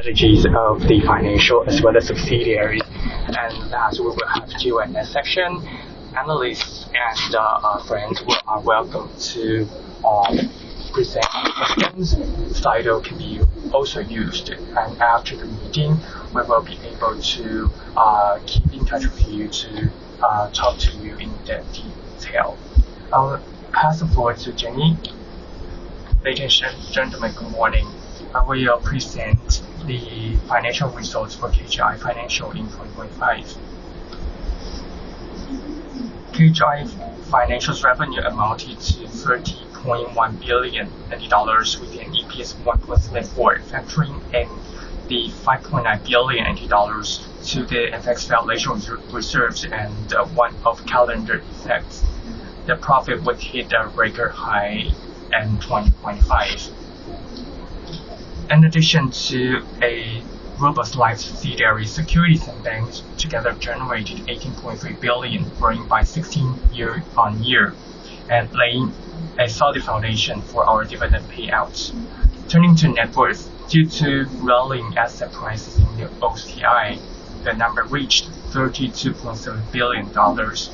Strategies of the financial as well as subsidiaries. That we will have Q&A session. Analysts and our friends are welcome to present any questions. Slido can be also used. After the meeting, we will be able to keep in touch with you to talk to you in detail. I'll pass the floor to Jenny. Ladies and gentlemen, good morning. I will present the financial results for KGI Financial in 2025. KGI Financial's revenue amounted to 30.1 billion dollars with an EPS of 1.64. Factoring in the 5.9 billion dollars to the FX valuation reserves and one-off calendar effects, the profit would hit a record high in 2025. In addition to a robust life subsidiary, securities and banks together generated 18.3 billion, growing by 16% year-on-year, laying a solid foundation for our dividend payouts. Turning to net worth, due to rolling asset prices in the OCI, the number reached 32.7 billion dollars.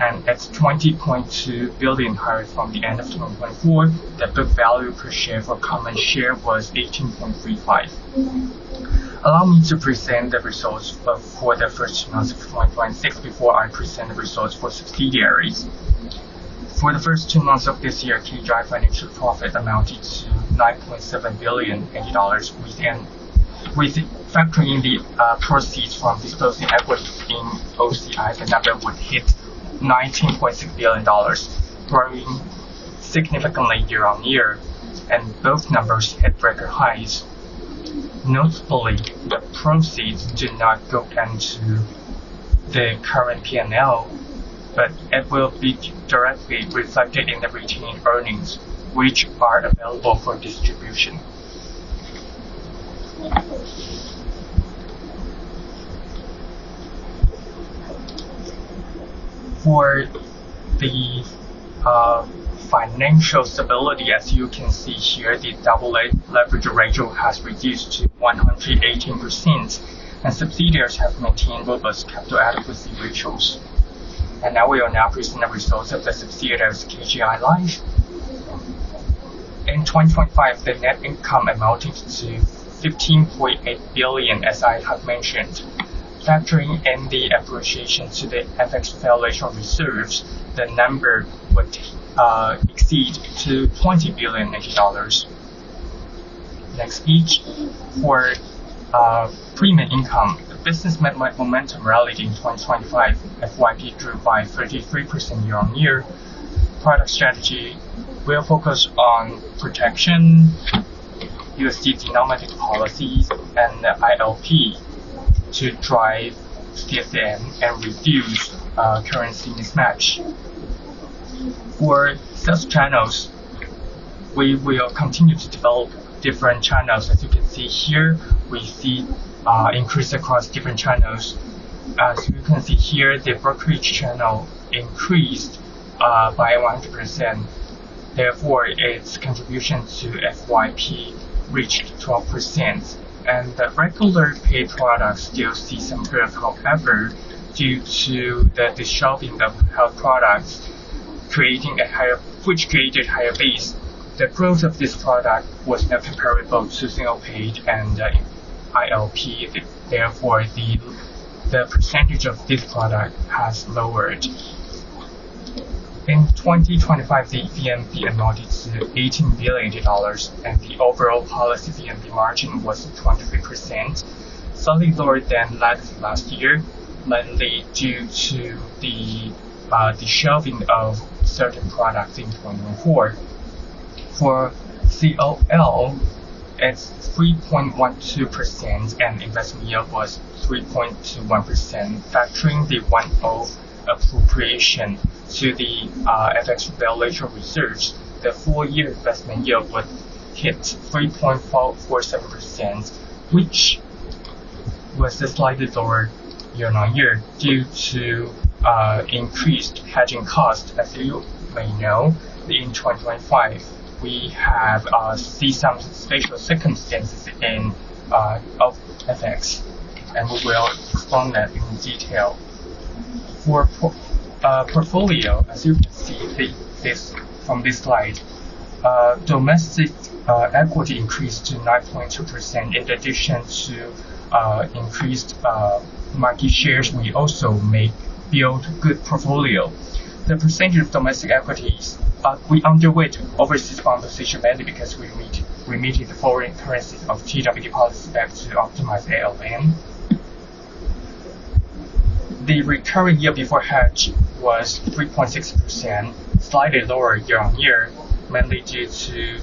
At 20.2 billion higher from the end of 2024, the book value per share for common share was 18.35. Allow me to present the results for the first two months of 2026 before I present the results for subsidiaries. For the first two months of this year, KGI Financial profit amounted to 9.7 billion dollars. Factoring the proceeds from disposing equities in OCI, the number would hit 19.6 billion dollars, growing significantly year-on-year, and both numbers hit record highs. Notably, the proceeds did not go into the current P&L, but it will be directly reflected in the retained earnings, which are available for distribution. For the financial stability, as you can see here, the double leverage ratio has reduced to 118%, and subsidiaries have maintained robust capital adequacy ratios. Now we will now present the results of the subsidiaries KGI Life. In 2025, the net income amounted to 15.8 billion, as I have mentioned. Factoring in the appreciation to the FX valuation reserves, the number would exceed 20 billion dollars. Next, please. For premium income, the business momentum rallied in 2025, FYP grew by 33% year-on-year. Product strategy will focus on protection, USD-denominated policies, and ILP to drive CSM and reduce currency mismatch. For sales channels, we will continue to develop different channels. As you can see here, we see increase across different channels. As you can see here, the brokerage channel increased by 100%, therefore, its contribution to FYP reached 12%. The regular paid products still see some tail-off due to the shelving of health products which created higher base. The growth of this product was not comparable to single-paid and ILP, therefore the percentage of this product has lowered. In 2025, the CMB amounted to 18 billion dollars, and the overall policy CMB margin was 23%, slightly lower than last year, mainly due to the shelving of certain products in 2024. For COL, it's 3.12%, and investment yield was 3.21%. Factoring the one-off appropriation to the FX valuation reserves, the full year investment yield would hit 3.47%, which was slightly lower year-on-year due to increased hedging cost. As you may know, in 2025, we have seen some special circumstances of FX, we will explain that in detail. For portfolio, as you can see from this slide, domestic equity increased to 9.2%. In addition to increased market shares, we also may build good portfolio. The percentage of domestic equities, we underweight overseas bond position mainly because we are meeting the foreign currency of TWD policy back to optimize ALM. The recurring yield before hedge was 3.6%, slightly lower year-on-year, mainly due to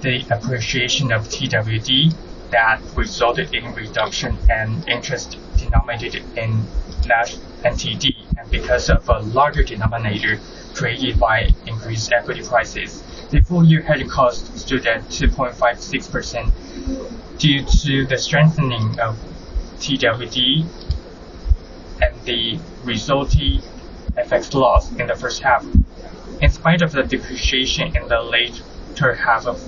the appreciation of TWD that resulted in reduction in interest denominated in NTD, and because of a larger denominator created by increased equity prices. The full year hedging cost stood at 2.56% due to the strengthening of TWD. The resulting FX loss in the first half. In spite of the depreciation in the late third half of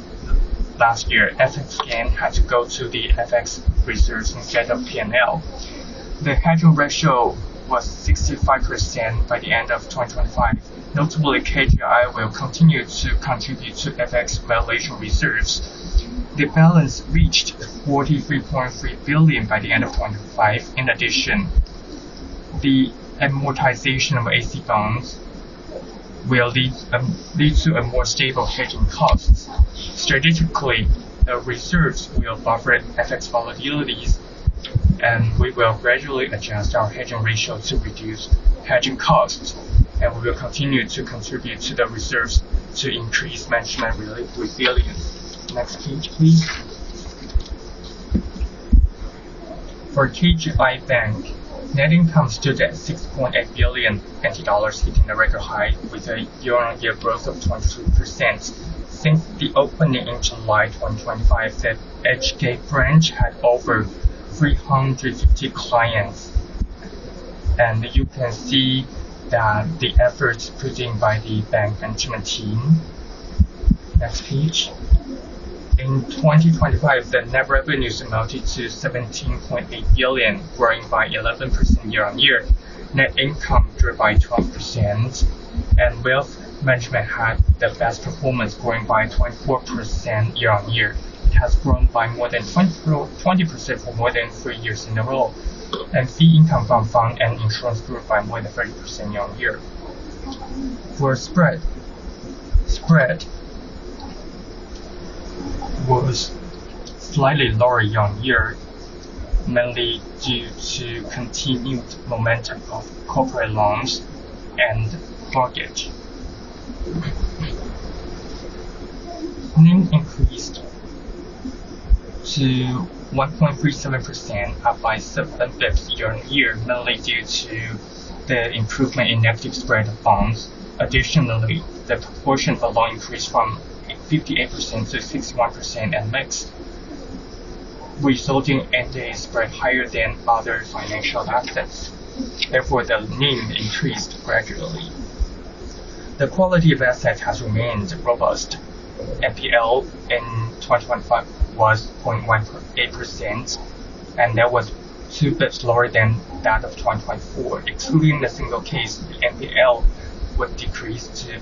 last year, FX gain had to go to the FX reserves instead of P&L. The hedging ratio was 65% by the end of 2025. Notably, KGI will continue to contribute to FX valuation reserves. The balance reached 43.3 billion by the end of 2025. In addition, the amortization of AC bonds will lead to a more stable hedging cost. Strategically, the reserves will buffer FX volatilities. We will gradually adjust our hedging ratio to reduce hedging costs. We will continue to contribute to the reserves to increase management resilience. Next page, please. For KGI Bank, net income stood at 6.8 billion, hitting a record high with a year-on-year growth of 23%. Since the opening in July 2025, the Hong Kong Branch had over 350 clients. You can see the efforts put in by the bank management team. Next page. In 2025, the net revenues amounted to 17.8 billion, growing by 11% year-on-year. Net income grew by 12%. Wealth management had the best performance, growing by 24% year-on-year. It has grown by more than 20% for more than three years in a row. Fee income from fund and insurance grew by more than 30% year-on-year. For spread was slightly lower year-on-year, mainly due to continued momentum of corporate loans and mortgage. NIM increased to 1.37%, up by 7 basis points year-on-year, mainly due to the improvement in net spread of bonds. Additionally, the proportion of the loan increased from 58% to 61% at max, resulting in net spread higher than other financial assets. Therefore, the NIM increased gradually. The quality of assets has remained robust. NPL in 2025 was 0.18%. That was 2 basis points lower than that of 2024. Excluding the single case, the NPL would decrease to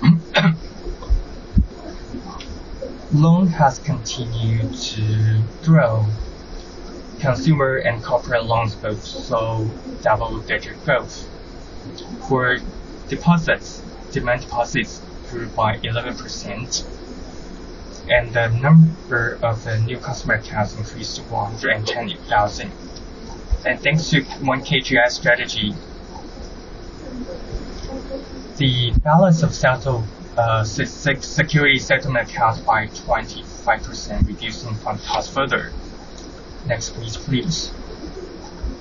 0.11%. Loan has continued to grow. Consumer and corporate loans both saw double-digit growth. For deposits, demand deposits grew by 11%. The number of new customer accounts increased to 110,000. Thanks to One KGI strategy, the balance of security settlement account by 25%, reducing front cost further. Next page, please.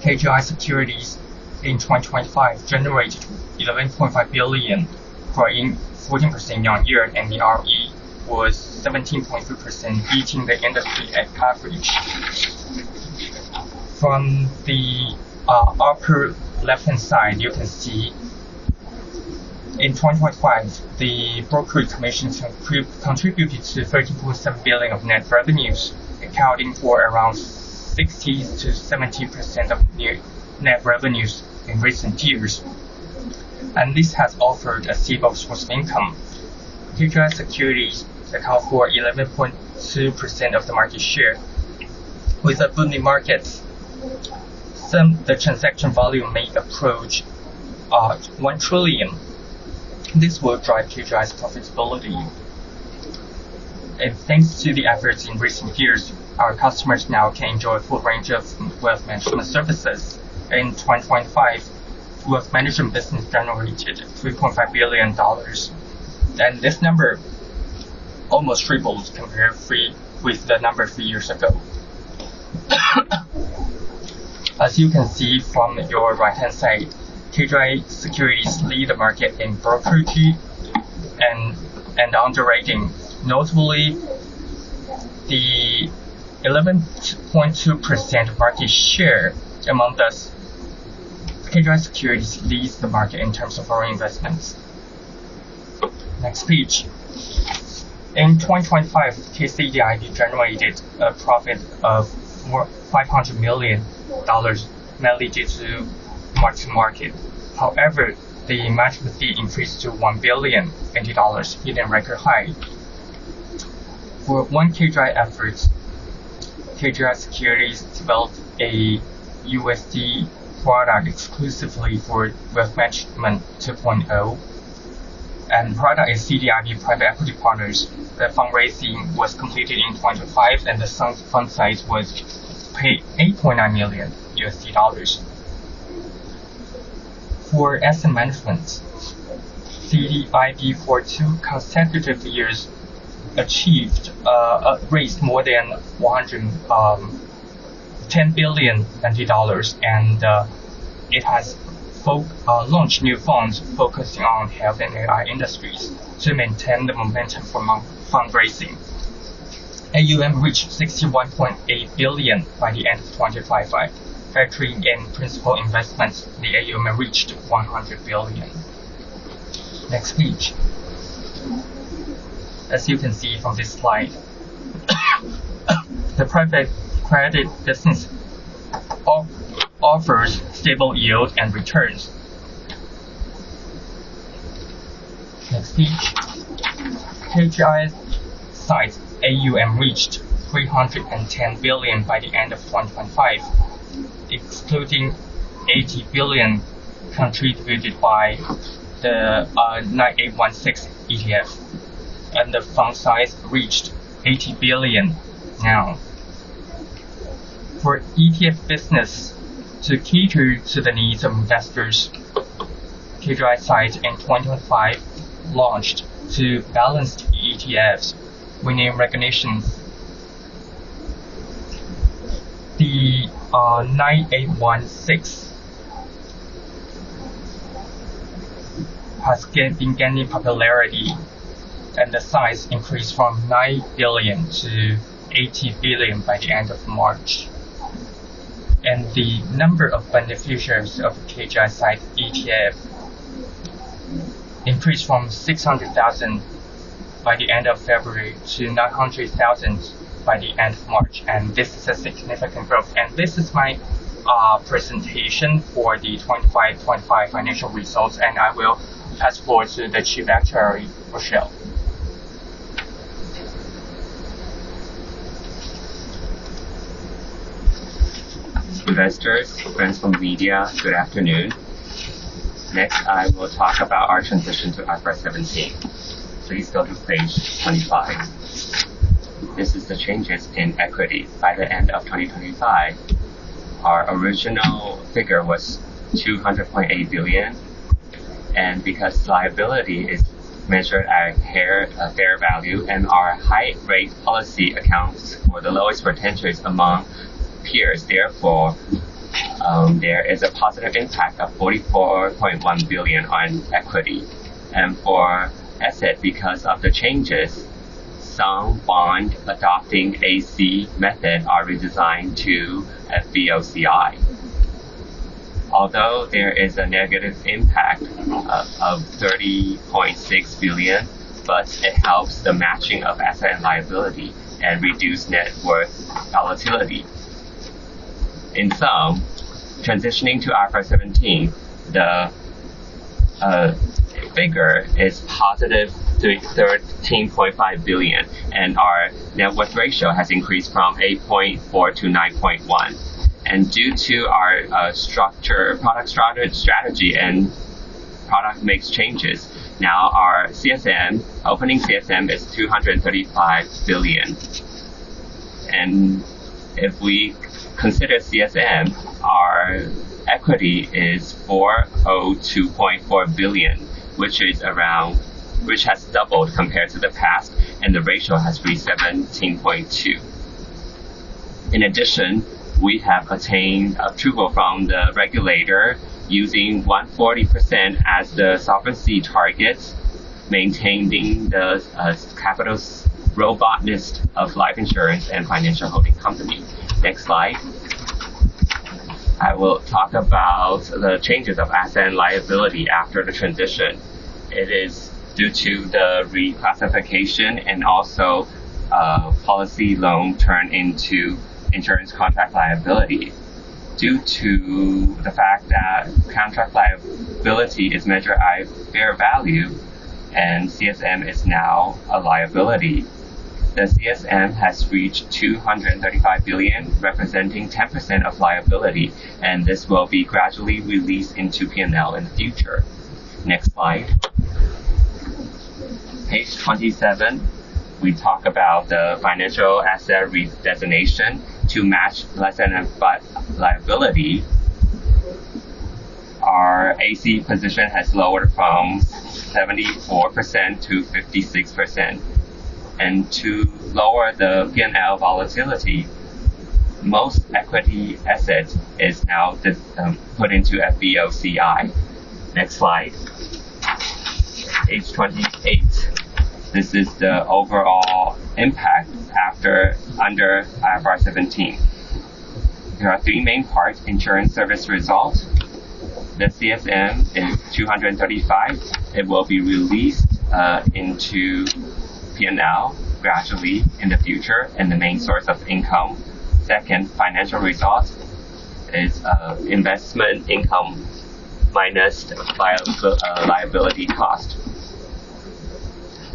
KGI Securities in 2025 generated 11.5 billion, growing 14% year-on-year. The ROE was 17.2%, beating the industry average. From the upper left-hand side, you can see in 2025, the brokerage commissions have contributed to 30.7 billion of net revenues, accounting for around 16%-17% of net revenues in recent years. This has offered a stable source of income. KGI Securities account for 11.2% of the market share. With a booming market, the transaction volume may approach 1 trillion. This will drive KGI's profitability. Thanks to the efforts in recent years, our customers now can enjoy a full range of wealth management services. In 2025, wealth management business generated 3.5 billion dollars, and this number almost tripled compared with the number three years ago. As you can see from your right-hand side, KGI Securities led the market in brokerage and underwriting. Notably, the 11.2% market share among us, KGI Securities leads the market in terms of our investments. Next page. In 2025, CDIB generated a profit of 500 million dollars, mainly due to mark-to-market. The management fee increased to NT$1 billion, hitting a record high. For One KGI efforts, KGI Securities developed a USD product exclusively for Wealth Management 2.0. Product is CDIB Private Equity Partners. The fundraising was completed in 2025, and the fund size was $8.9 million. For asset management, CDIB for two consecutive years raised more than NT$110 billion, and it has launched new funds focusing on health and AI industries to maintain the momentum for fundraising. AUM reached $61.8 billion by the end of 2025. Factoring in principal investments, the AUM reached $100 billion. Next page. KGI SITE AUM reached $310 billion by the end of 2025, excluding $80 billion contributed by the 9816 ETF, and the fund size reached $80 billion now. For ETF business, to cater to the needs of investors, KGI SITE in 2025 launched two balanced ETFs. We named Recognition. The 9816 has been gaining popularity, and the size increased from $9 billion to $80 billion by the end of March. The number of beneficiaries of KGI SITE ETF increased from 600,000 by the end of February to 900,000 by the end of March, and this is a significant growth. This is my presentation for the 2025 financial results, and I will pass forward to the Chief Actuary, Rochelle. Investors, friends from media, good afternoon. Next, I will talk about our transition to IFRS 17. Please go to page 25. This is the changes in equity by the end of 2025. Our original figure was $200.8 billion, and because liability is measured at a fair value and our high rate policy accounts for the lowest retention among peers, therefore, there is a positive impact of $44.1 billion on equity. For asset, because of the changes, some bond adopting AC method are redesigned to FVOCI. Although there is a negative impact of $30.6 billion, but it helps the matching of asset and liability and reduce net worth volatility. In sum, transitioning to IFRS 17, the figure is positive $13.5 billion, and our net worth ratio has increased from 8.4 to 9.1. Due to our product strategy and product mix changes, our CSM, opening CSM is $235 billion. If we consider CSM, our equity is $402.4 billion, which has doubled compared to the past, and the ratio has reached 17.2. In addition, we have obtained approval from the regulator using 140% as the solvency target, maintaining the capital robustness of life insurance and financial holding company. Next slide. I will talk about the changes of asset and liability after the transition. It is due to the reclassification and also policy loan turned into insurance contract liability. Due to the fact that contract liability is measured at fair value and CSM is now a liability, the CSM has reached $235 billion, representing 10% of liability, and this will be gradually released into P&L in the future. Next slide. Page 27, we talk about the financial asset redesignation to match less NFI liability. Our AC position has lowered from 74% to 56%, and to lower the P&L volatility, most equity asset is now put into FVOCI. Next slide. Page 28. This is the overall impact under IFRS 17. There are three main parts: insurance service result. The CSM is 235. It will be released into P&L gradually in the future and the main source of income. Second, financial result is investment income minus liability cost.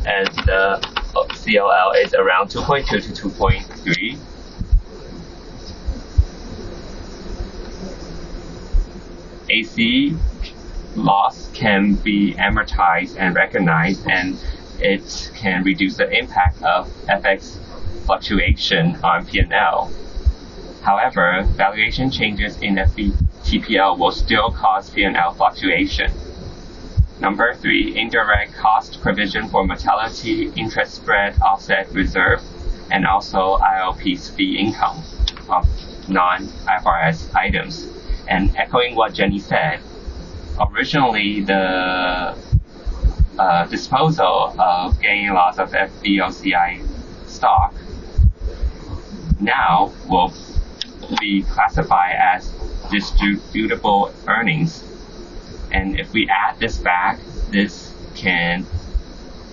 The CLR is around 2.2-2.3. AC loss can be amortized and recognized, and it can reduce the impact of FX fluctuation on P&L. However, valuation changes in FVTPL will still cause P&L fluctuation. Number 3, indirect cost provision for mortality, interest spread, offset reserve, and also ILPs fee income of non-IFRS items. Echoing what Jenny said, originally the disposal of gain loss of FVOCI stock now will be classified as distributable earnings. If we add this back, this can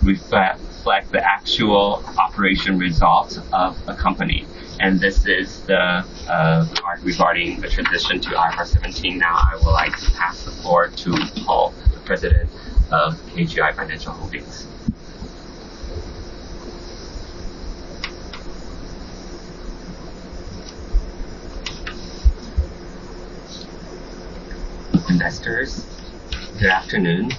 reflect the actual operation results of a company. This is the part regarding the transition to IFRS 17. I would like to pass the floor to Paul, the President of KGI Financial Holding. Investors, good afternoon.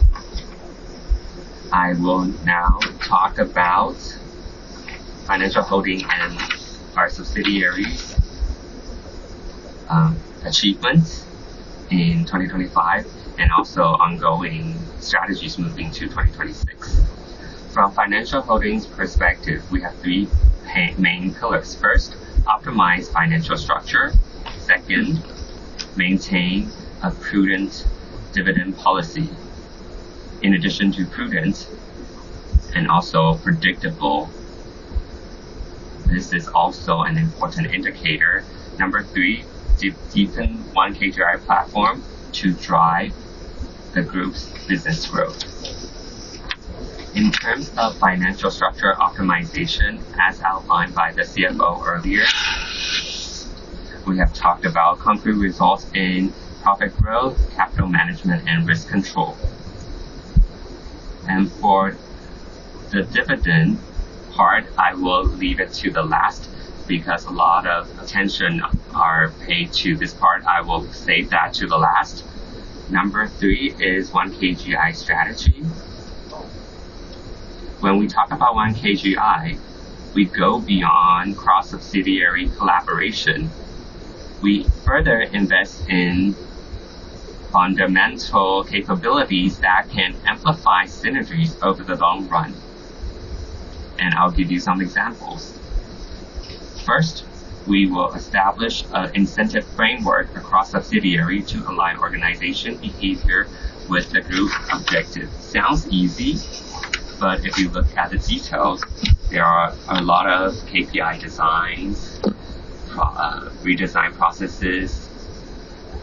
I will now talk about Financial Holding and our subsidiaries' achievements in 2025, and also ongoing strategies moving to 2026. From Financial Holding's perspective, we have 3 main pillars. First, optimize financial structure. Second, maintain a prudent dividend policy. In addition to prudent and also predictable, this is also an important indicator. Number 3, deepen One KGI platform to drive the group's business growth. In terms of financial structure optimization, as outlined by the CFO earlier, we have talked about concrete results in profit growth, capital management, and risk control. For the dividend part, I will leave it to the last because a lot of attention are paid to this part. I will save that to the last. Number 3 is One KGI strategy. When we talk about One KGI, we go beyond cross-subsidiary collaboration. We further invest in fundamental capabilities that can amplify synergies over the long run. I'll give you some examples. First, we will establish an incentive framework across subsidiaries to align organizational behavior with the group objective. Sounds easy, but if you look at the details, there are a lot of KPI designs, redesign processes.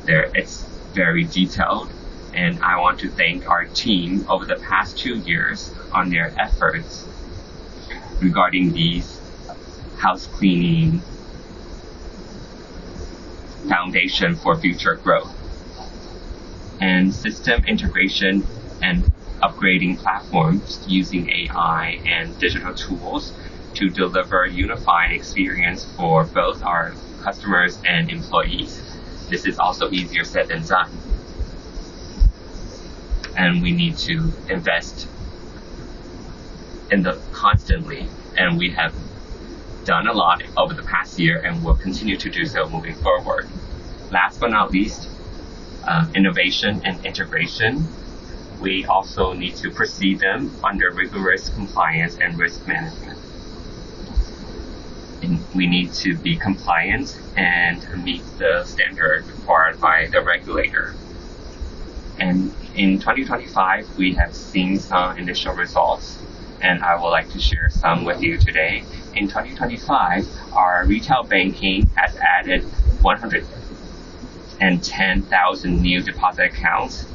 It's very detailed, I want to thank our team over the past two years on their efforts regarding these housecleaning foundation for future growth. System integration and upgrading platforms using AI and digital tools to deliver a unifying experience for both our customers and employees. This is also easier said than done, we need to invest in them constantly, we have done a lot over the past year, and we'll continue to do so moving forward. Last but not least, innovation and integration. We also need to proceed them under rigorous compliance and risk management. We need to be compliant and meet the standard required by the regulator. In 2025, we have seen some initial results, and I would like to share some with you today. In 2025, our retail banking has added 110,000 new deposit accounts.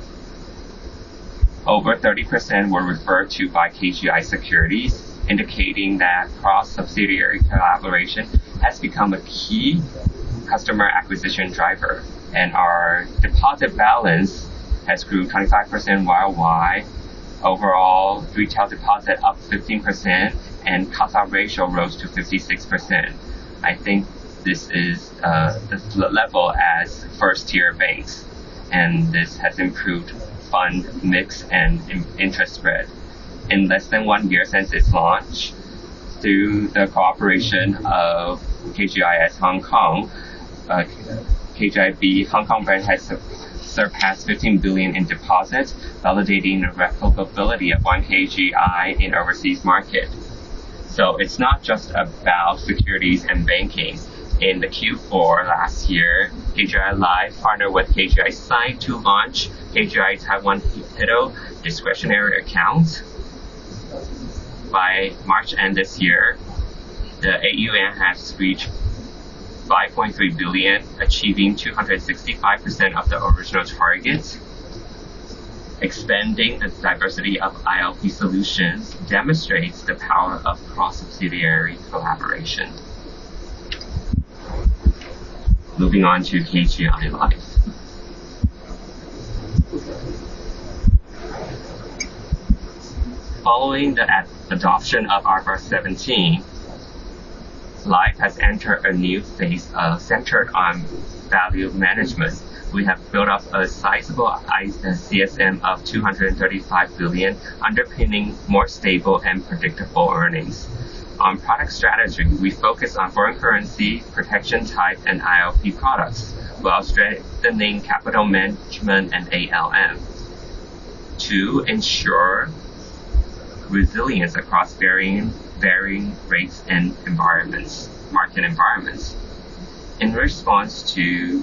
Over 30% were referred to by KGI Securities, indicating that cross-subsidiary collaboration has become a key customer acquisition driver, and our deposit balance has grew 25% YOY. Overall, retail deposit up 15%, and cost-off ratio rose to 56%. I think this is the level as 1st-tier banks, and this has improved fund mix and interest spread. In less than one year since its launch, through the cooperation of KGIS Hong Kong, KGIB Hong Kong bank has surpassed 15 billion in deposits, validating the replicability of One KGI in overseas market. It's not just about securities and banking. In the Q4 last year, KGI Life partnered with KGI SITE to launch KGI Taiwan PiPiGo discretionary accounts. By March end this year, the AUM has reached 5.3 billion, achieving 265% of the original target. Expanding the diversity of ILP solutions demonstrates the power of cross-subsidiary collaboration. Moving on to KGI Life. Following the adoption of IFRS 17, Life has entered a new phase, centered on value management. We have built up a sizable CSM of 235 billion, underpinning more stable and predictable earnings. On product strategy, we focus on foreign currency, protection type, and ILP products, while strengthening capital management and ALM to ensure resilience across varying rates and market environments. In response to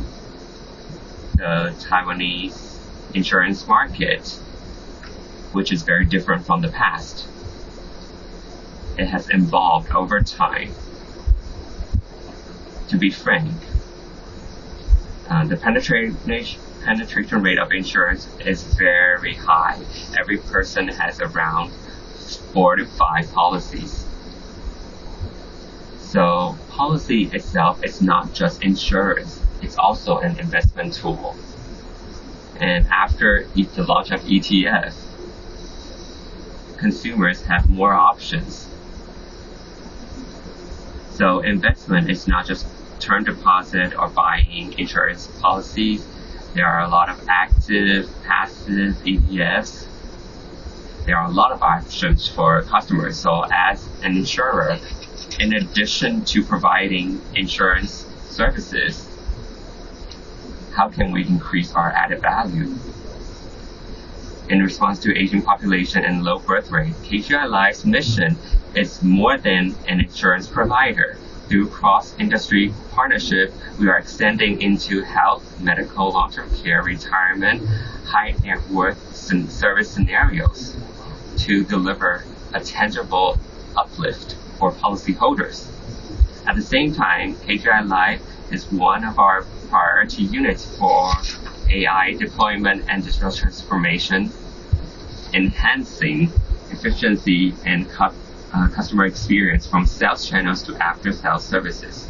the Taiwanese insurance market, which is very different from the past, it has evolved over time. To be frank, the penetration rate of insurance is very high. Every person has around four to five policies. Policy itself is not just insurance, it's also an investment tool. After the launch of ETFs, consumers have more options. Investment is not just term deposit or buying insurance policies. There are a lot of active, passive ETFs. There are a lot of options for customers. As an insurer, in addition to providing insurance services, how can we increase our added value? In response to aging population and low birth rate, KGI Life's mission is more than an insurance provider. Through cross-industry partnership, we are extending into health, medical, long-term care, retirement, high net worth service scenarios to deliver a tangible uplift for policy holders. At the same time, KGI Life is one of our priority units for AI deployment and digital transformation, enhancing efficiency and customer experience from sales channels to after-sales services.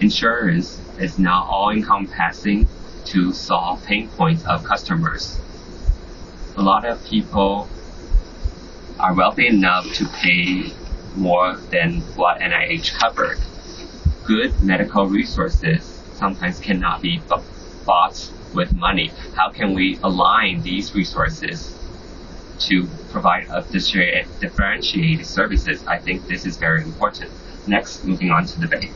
Insurance is now all encompassing to solve pain points of customers. A lot of people are wealthy enough to pay more than what NHI covered. Good medical resources sometimes cannot be bought with money. How can we align these resources to provide differentiated services? I think this is very important. Next, moving on to the bank.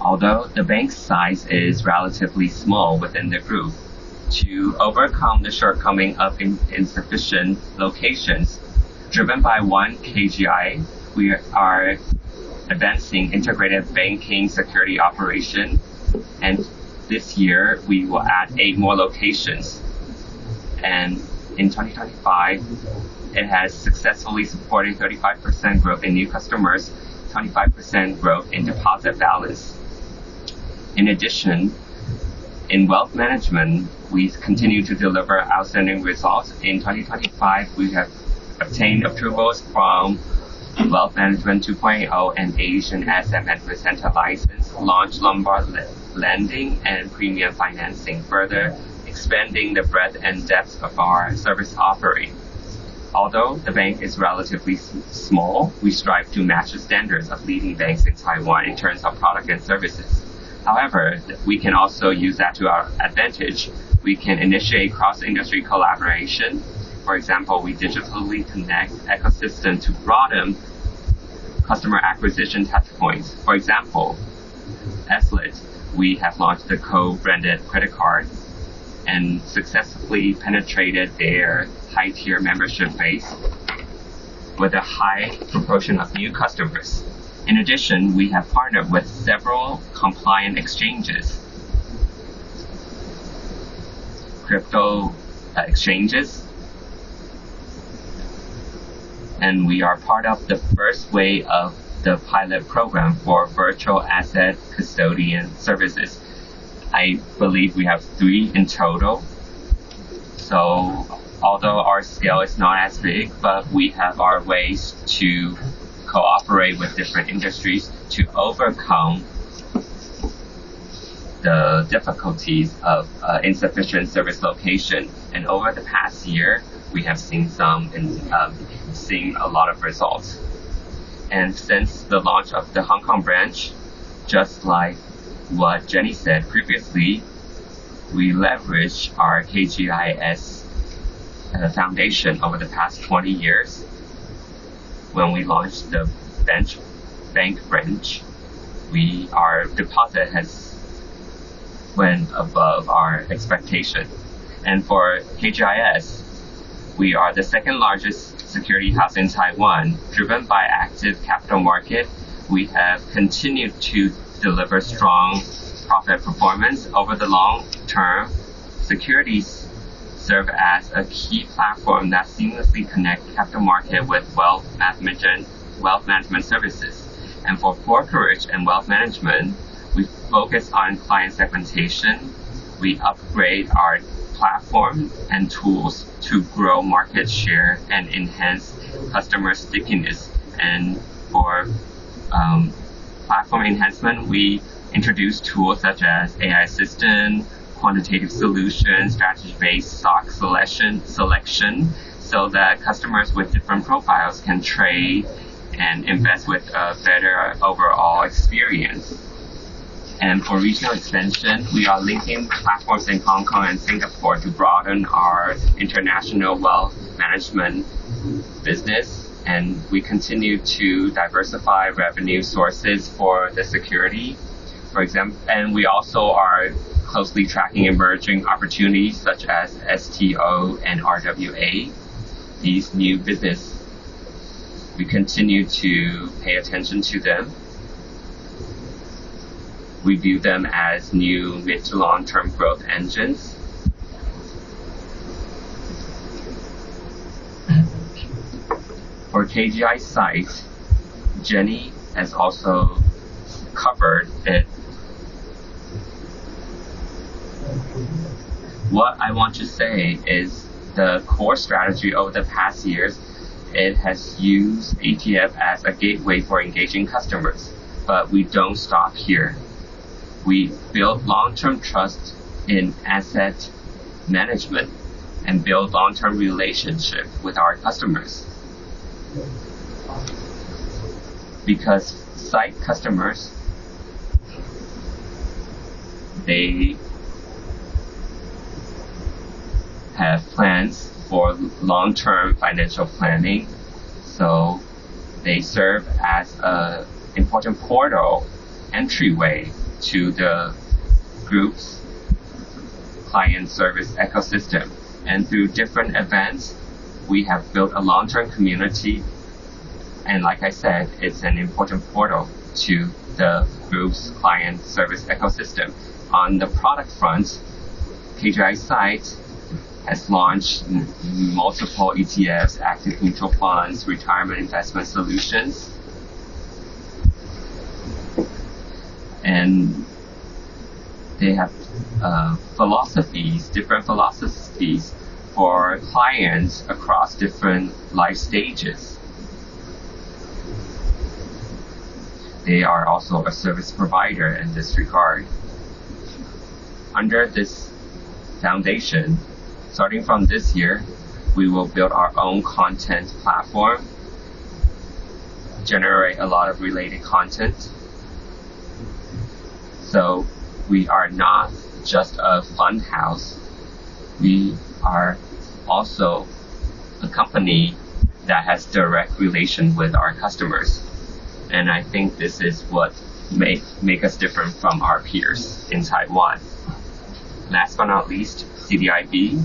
Although the bank's size is relatively small within the group, to overcome the shortcoming of insufficient locations, driven by One KGI, we are advancing integrated banking security operation. This year we will add eight more locations. In 2025, it has successfully supported 35% growth in new customers, 25% growth in deposit balance. In addition, in wealth management, we've continued to deliver outstanding results. In 2025, we have obtained approvals from Wealth Management 2.0 and Asian Asset Management Center license, launched Lombard lending and premium financing, further expanding the breadth and depth of our service offerings. Although the bank is relatively small, we strive to match the standards of leading banks in Taiwan in terms of product and services. We can also use that to our advantage. For example, we digitally connect ecosystem to broaden customer acquisition touch points. For example, Eslite, we have launched the co-branded credit cards and successfully penetrated their high-tier membership base with a high proportion of new customers. In addition, we have partnered with several compliant crypto exchanges, and we are part of the first wave of the pilot program for virtual asset custodian services. I believe we have three in total. Although our scale is not as big, but we have our ways to cooperate with different industries to overcome the difficulties of insufficient service location. Over the past year, we have seen a lot of results. Since the launch of the Hong Kong branch, just like what Jenny said previously, we leveraged our KGIS foundation over the past 20 years. When we launched the bank branch, our deposit has went above our expectation. For KGIS, we are the second-largest security house in Taiwan. Driven by active capital market, we have continued to deliver strong profit performance over the long term. Securities serve as a key platform that seamlessly connect capital market with wealth management services. For brokerage and wealth management, we focus on client segmentation. We upgrade our platform and tools to grow market share and enhance customer stickiness. For platform enhancement, we introduce tools such as AI assistant, quantitative solution, strategy-based stock selection, so that customers with different profiles can trade and invest with a better overall experience. For regional expansion, we are linking platforms in Hong Kong and Singapore to broaden our international wealth management business. We continue to diversify revenue sources for the security. We also are closely tracking emerging opportunities such as STO and RWA. These new business, we continue to pay attention to them. We view them as new mid to long-term growth engines. For KGI SITE, Jenny has also covered it. What I want to say is the core strategy over the past years, it has used ETF as a gateway for engaging customers. We don't stop here. We build long-term trust in asset management and build long-term relationship with our customers. SITE customers, they have plans for long-term financial planning, so they serve as a important portal entryway to the group's client service ecosystem. Through different events, we have built a long-term community. Like I said, it's an important portal to the group's client service ecosystem. On the product front, KGI SITE has launched multiple ETFs, active mutual funds, retirement investment solutions, and they have different philosophies for clients across different life stages. They are also a service provider in this regard. Under this foundation, starting from this year, we will build our own content platform, generate a lot of related content. we are not just a fun house, we are also a company that has direct relation with our customers, and I think this is what make us different from our peers in Taiwan. Last but not least, CDIB.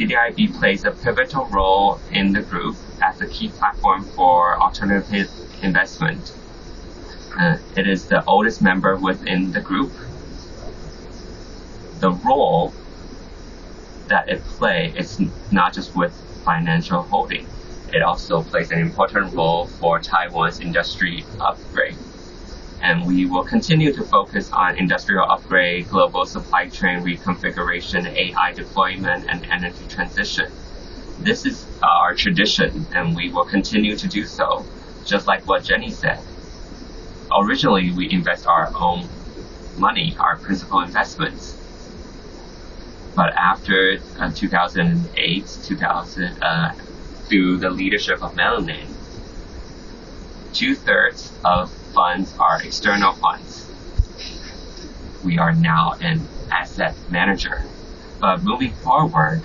CDIB plays a pivotal role in the group as a key platform for alternative investment. It is the oldest member within the group. The role that it play is not just with financial holding, it also plays an important role for Taiwan's industry upgrade. we will continue to focus on industrial upgrade, global supply chain reconfiguration, AI deployment, and energy transition. This is our tradition, and we will continue to do so, just like what Jenny said. Originally, we invest our own money, our principal investments. after 2008, through the leadership of Melanie, two-thirds of funds are external funds. We are now an asset manager. moving forward,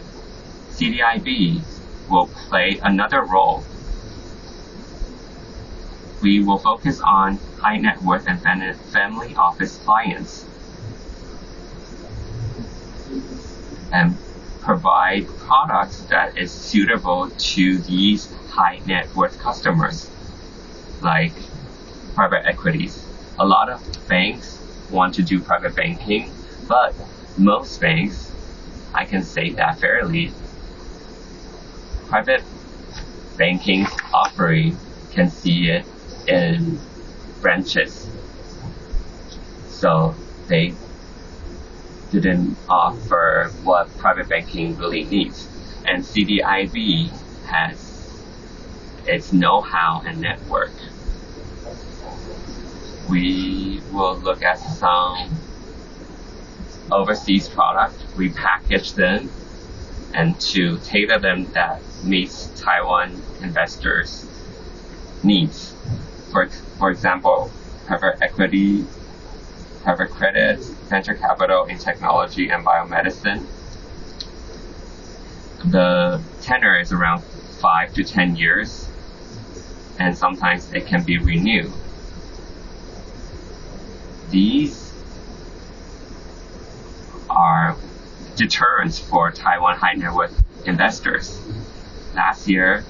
CDIB will play another role. We will focus on high-net-worth and family office clients, and provide products that is suitable to these high-net-worth customers, like private equities. A lot of banks want to do private banking, but most banks, I can say that fairly, private banking offering can see it in branches. they didn't offer what private banking really needs, and CDIB has its know-how and network. We will look at some overseas product, repackage them, and to tailor them that meets Taiwan investors' needs. For example, private equity, private credit, venture capital in technology and biomedicine. The tenor is around 5 to 10 years, and sometimes it can be renewed. These are deterrents for Taiwan high-net-worth investors. Last year,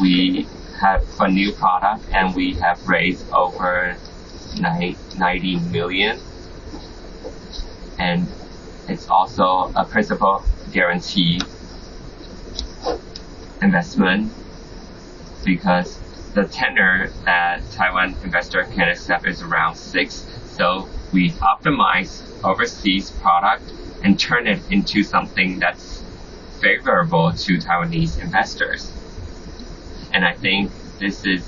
we have a new product, and we have raised over 90 million, and it's also a principal guaranteed investment because the tenor that Taiwan investor can accept is around six. we optimize overseas product and turn it into something that's favorable to Taiwanese investors. I think this is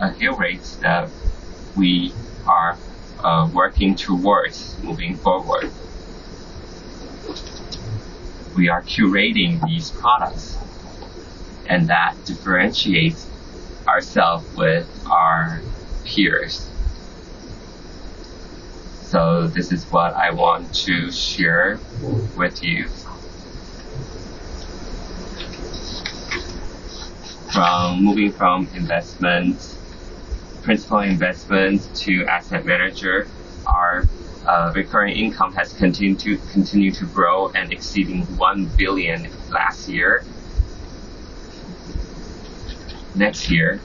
a rate that we are working towards moving forward. We are curating these products, and that differentiates ourselves with our peers. this is what I want to share with you. From moving from investment, principal investment to asset manager, our recurring income has continued to grow and exceeded 1 billion last year. Next year,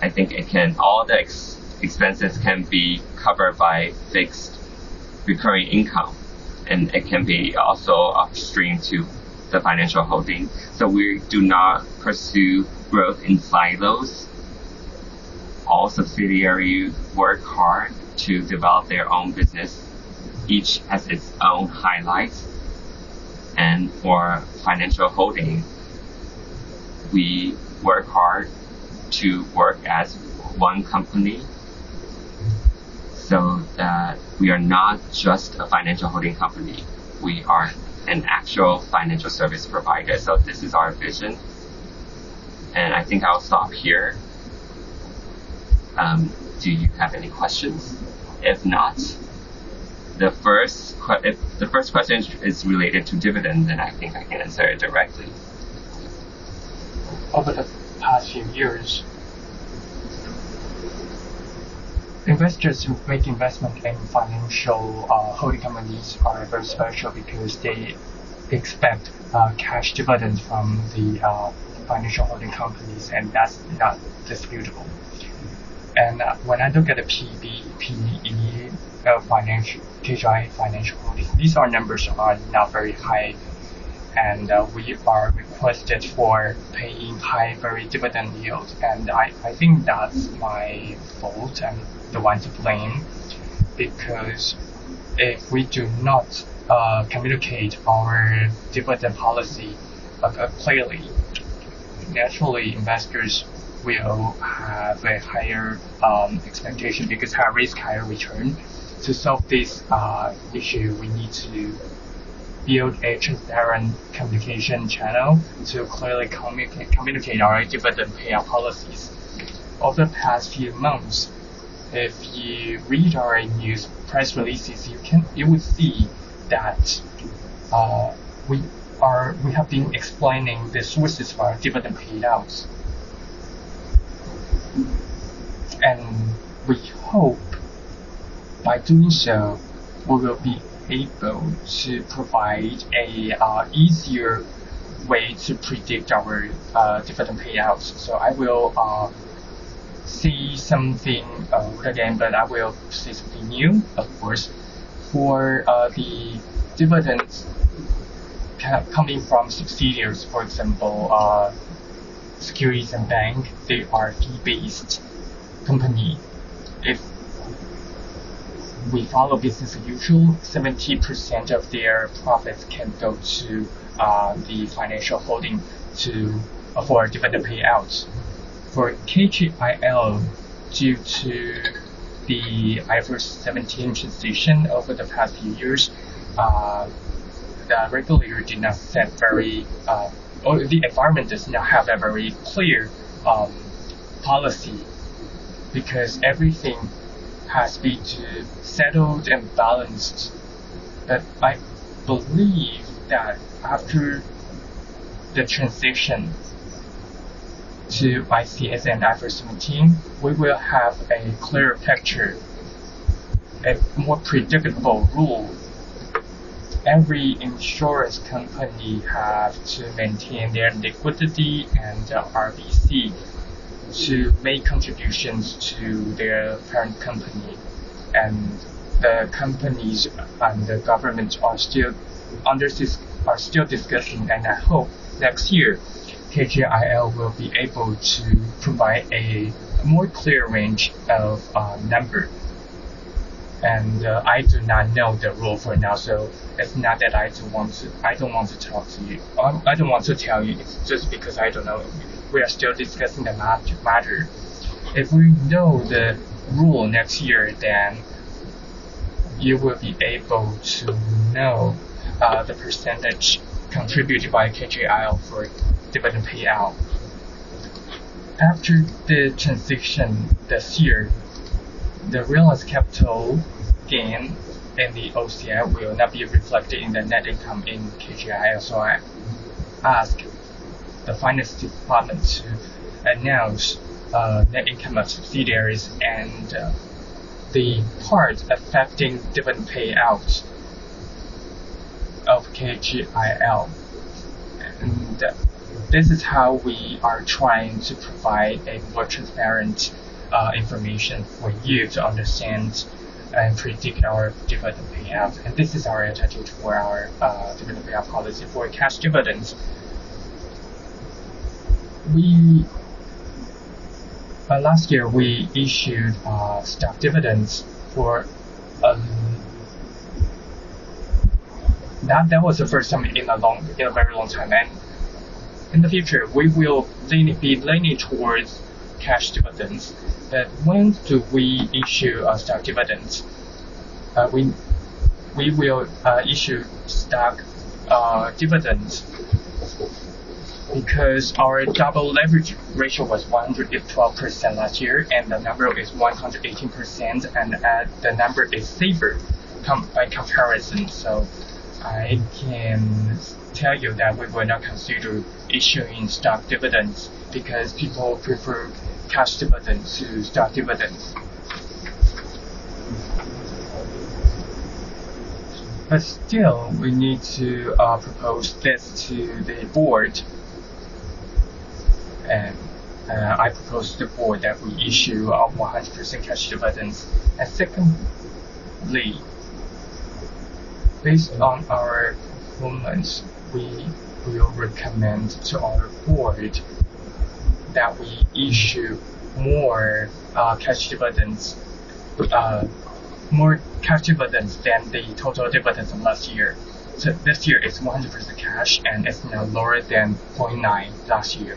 I think all the expenses can be covered by fixed recurring income, and it can be also upstream to the financial holding. we do not pursue growth in silos. All subsidiaries work hard to develop their own business. Each has its own highlight. for financial holding, we work hard to work as one company, so that we are not just a financial holding company, we are an actual financial service provider. this is our vision, and I think I'll stop here. Do you have any questions? If not, the first question is related to dividends, and I think I can answer it directly. Over the past few years, investors who make investment in financial holding companies are very special because they expect cash dividends from the financial holding companies, and that's not disputable. when I look at the PBR, PE, KGI Financial Holding Co., these numbers are not very high, and we are requested for paying high very dividend yield. I think that's my fault. I'm the one to blame, because if we do not communicate our dividend policy clearly, naturally investors will have a higher expectation because high risk, higher return. To solve this issue, we need to build a transparent communication channel to clearly communicate our dividend payout policies. Over the past few months, if you read our news press releases, you would see that we have been explaining the sources for our dividend payouts. We hope by doing so, we will be able to provide an easier way to predict our dividend payouts. I will say something again, but I will say something new, of course. For the dividends coming from subsidiaries, for example, securities and bank, they are key-based company. If we follow business as usual, 70% of their profits can go to the financial holding for dividend payouts. For KGIL, due to the IFRS 17 transition over the past few years, the regulator did not set very The environment does not have a very clear policy, because everything has to be settled and balanced. I believe that after the transition to IFRS and IFRS 17, we will have a clearer picture, a more predictable rule. Every insurance company have to maintain their liquidity and RBC to make contributions to their parent company, the companies and the government are still discussing, and I hope next year, KGIL will be able to provide a more clear range of numbers. I do not know the rule for now, so it's not that I don't want to tell you. It's just because I don't know. We are still discussing the matter. If we know the rule next year, you will be able to know the percentage contributed by KGIL for dividend payout. After the transition this year, the realized capital gain and the OCI will now be reflected in the net income in KGIL. I ask the finance department to announce net income of subsidiaries and the part affecting dividend payouts of KGIL. This is how we are trying to provide a more transparent information for you to understand and predict our dividend payout. This is our attachment for our dividend payout policy for cash dividends. Last year we issued stock dividends. That was the first time in a very long time. In the future, we will be leaning towards cash dividends. When do we issue our stock dividends? We will issue stock dividends because our double leverage ratio was 112% last year, and now the number is 118%, and the number is safer by comparison. I can tell you that we will not consider issuing stock dividends because people prefer cash dividends to stock dividends. Still, we need to propose this to the board. I propose to the board that we issue a 100% cash dividends. Secondly, based on our performance, we will recommend to our board that we issue more cash dividends than the total dividends of last year. This year it's 100% cash, and it's now lower than 49 last year.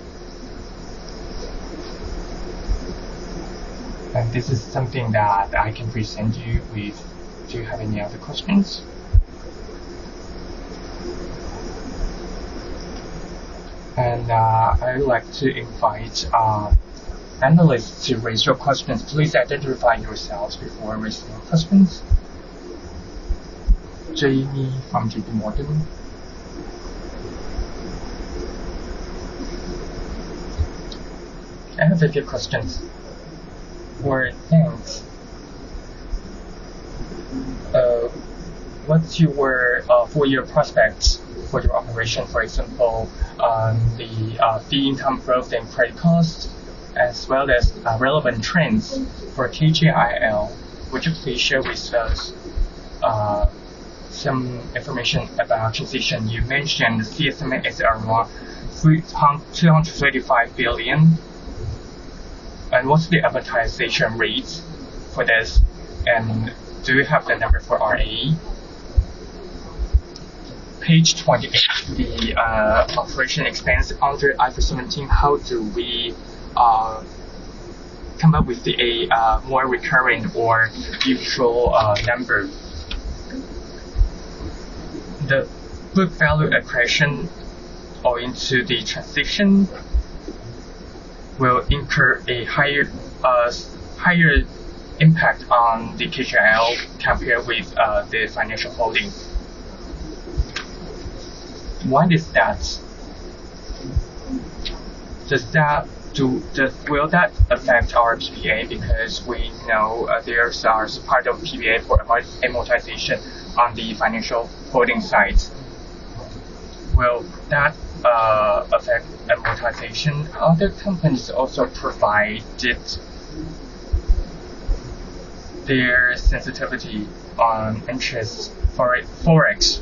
This is something that I can present you with. Do you have any other questions? I would like to invite analysts to raise your questions. Please identify yourselves before raising your questions. Jamie from JPMorgan. I have a few questions. What's your full-year prospects for your operation, for example, on the fee income growth and credit costs, as well as relevant trends for KJIL. Would you please share with us some information about transition? You mentioned CSM is around 235 billion. What's the amortization rate for this, and do you have the number for ROE? Page 28, the operation expense under IFRS 17, how do we come up with a more recurring or usual number? The book value accretion into the transition will incur a higher impact on the KJIL compared with the financial holding. Why is that? Will that affect our PBA? Because we know there are part of PBA for amortization on the financial holding side. Will that affect amortization? Other companies also provided their sensitivity on interest for FX.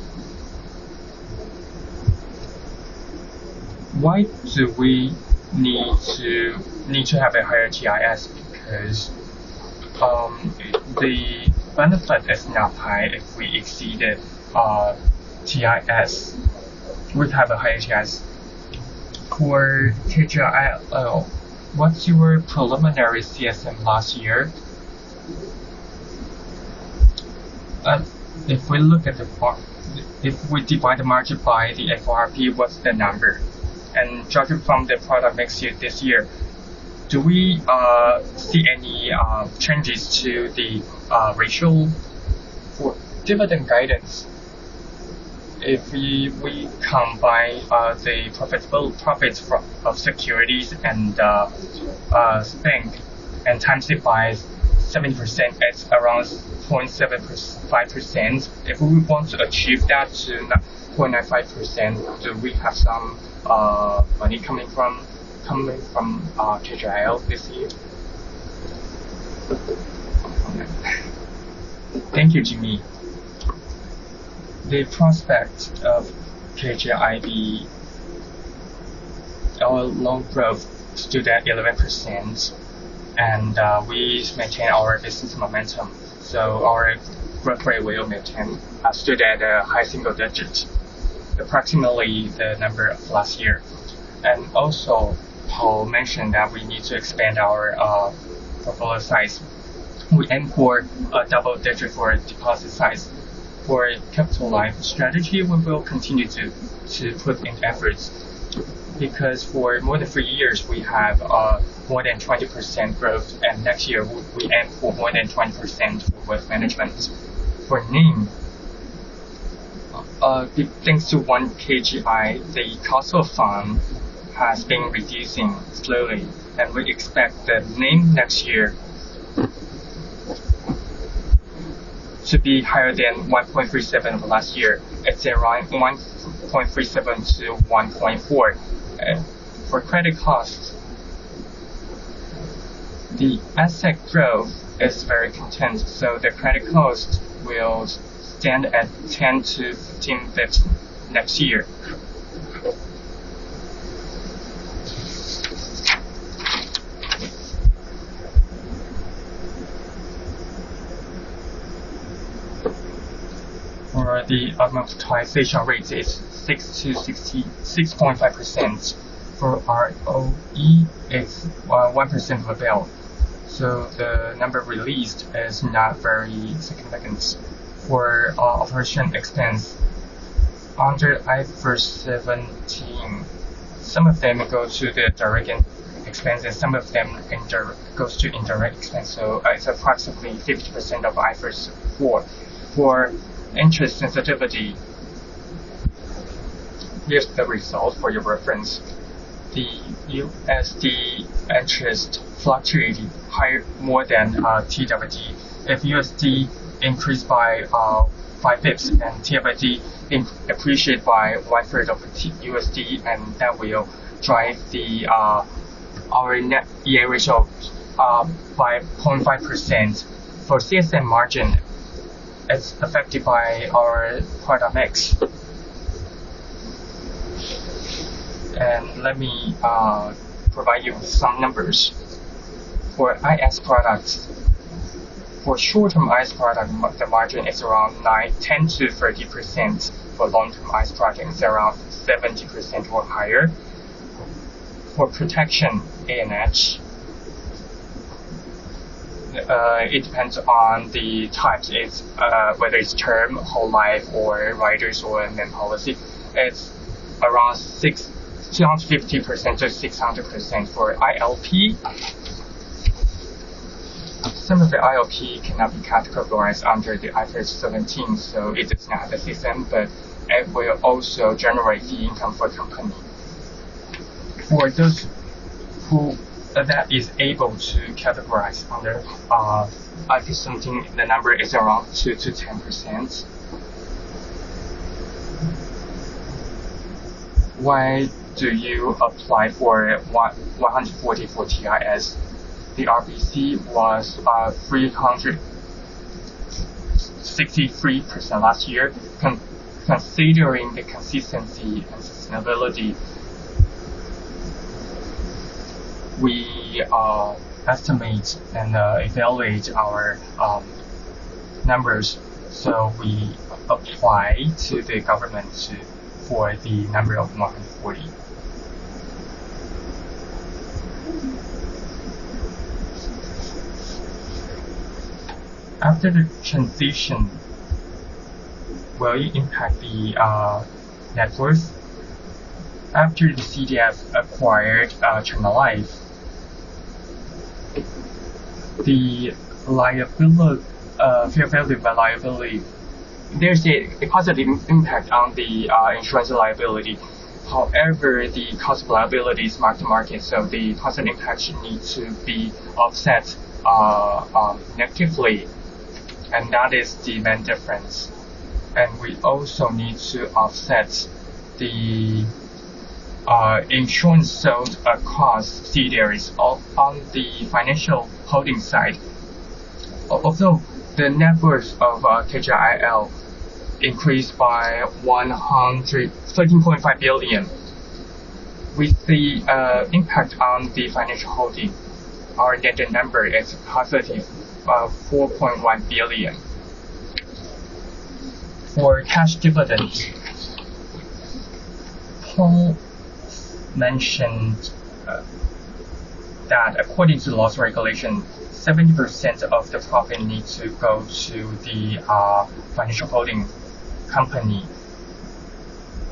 Why do we need to have a higher GIS? Because the benefit is not high if we exceeded our GIS. We'd have a higher GIS. For KJIL, what's your preliminary CSM last year? If we divide the margin by the FARP, what's the number? Judging from the product next year, this year, do we see any changes to the ratio for dividend guidance? If we combine the profits of securities and bank, times it by 70%, that's around 0.75%. If we want to achieve that to 0.95%, do we have some money coming from KJIL this year? Thank you, Jamie. The prospect of KGI Bank, our loan growth stood at 11%, we maintain our business momentum, so our growth rate will maintain, stood at a high single digits, approximately the number of last year. Paul mentioned that we need to expand our portfolio size. We aim for a double digit for deposit size. For capital light strategy, we will continue to put in efforts because for more than three years we have more than 20% growth, next year we aim for more than 20% for wealth management. For NIM, thanks to One KGI, the cost of fund has been reducing slowly, we expect the NIM next year to be higher than 1.37 last year. It's around 1.37%-1.4%. For credit costs, the asset growth is very contained, the credit cost will stand at 10 to 15 basis points next year. For the amortization rate, it's 6.5%. For ROE, it's 1% for bail. The number released is not very significant. For operation expense under IFRS 17, some of them go to the direct expense, some of them goes to indirect expense. It's approximately 50% of IFRS 4. For interest sensitivity, here's the result for your reference. The USD interest fluctuating more than TWD. If USD increased by 5 pips and TWD appreciate by one third of USD, that will drive our net yield ratio up by 0.5%. For CSM margin, it's affected by our product mix. Let me provide you with some numbers. For IS products, for short-term IS product, the margin is around 10%-30%. For long-term IS products, it's around 70% or higher. For protection A&H, it depends on the types, whether it's term, whole life, or riders or main policy. It's around 250%-600% for ILP. Some of the ILP cannot be categorized under IFRS 17, so it is not the same, but it will also generate the income for the company. For those that is able to categorize under IFRS 17, the number is around 2%-10%. Why do you apply for 144 TIS? The RBC was 363% last year. Considering the consistency and sustainability, we estimate and evaluate our numbers, so we apply to the government for the number of 140. After the transition, will you impact the net worth? After KGI Financial Holding Co. acquired KGI Life, the fair value of liability, there is a positive impact on the insurance liability. The cost of liability is mark to market, so the positive impact needs to be offset negatively, and that is the main difference. We also need to offset the insurance sold cost. There is on the financial holding side. Although the net worth of KJIL increased by 13.5 billion, with the impact on the financial holding, our debt number is positive, 4.1 billion. For cash dividends, Paul mentioned that according to laws and regulation, 70% of the profit needs to go to the financial holding company.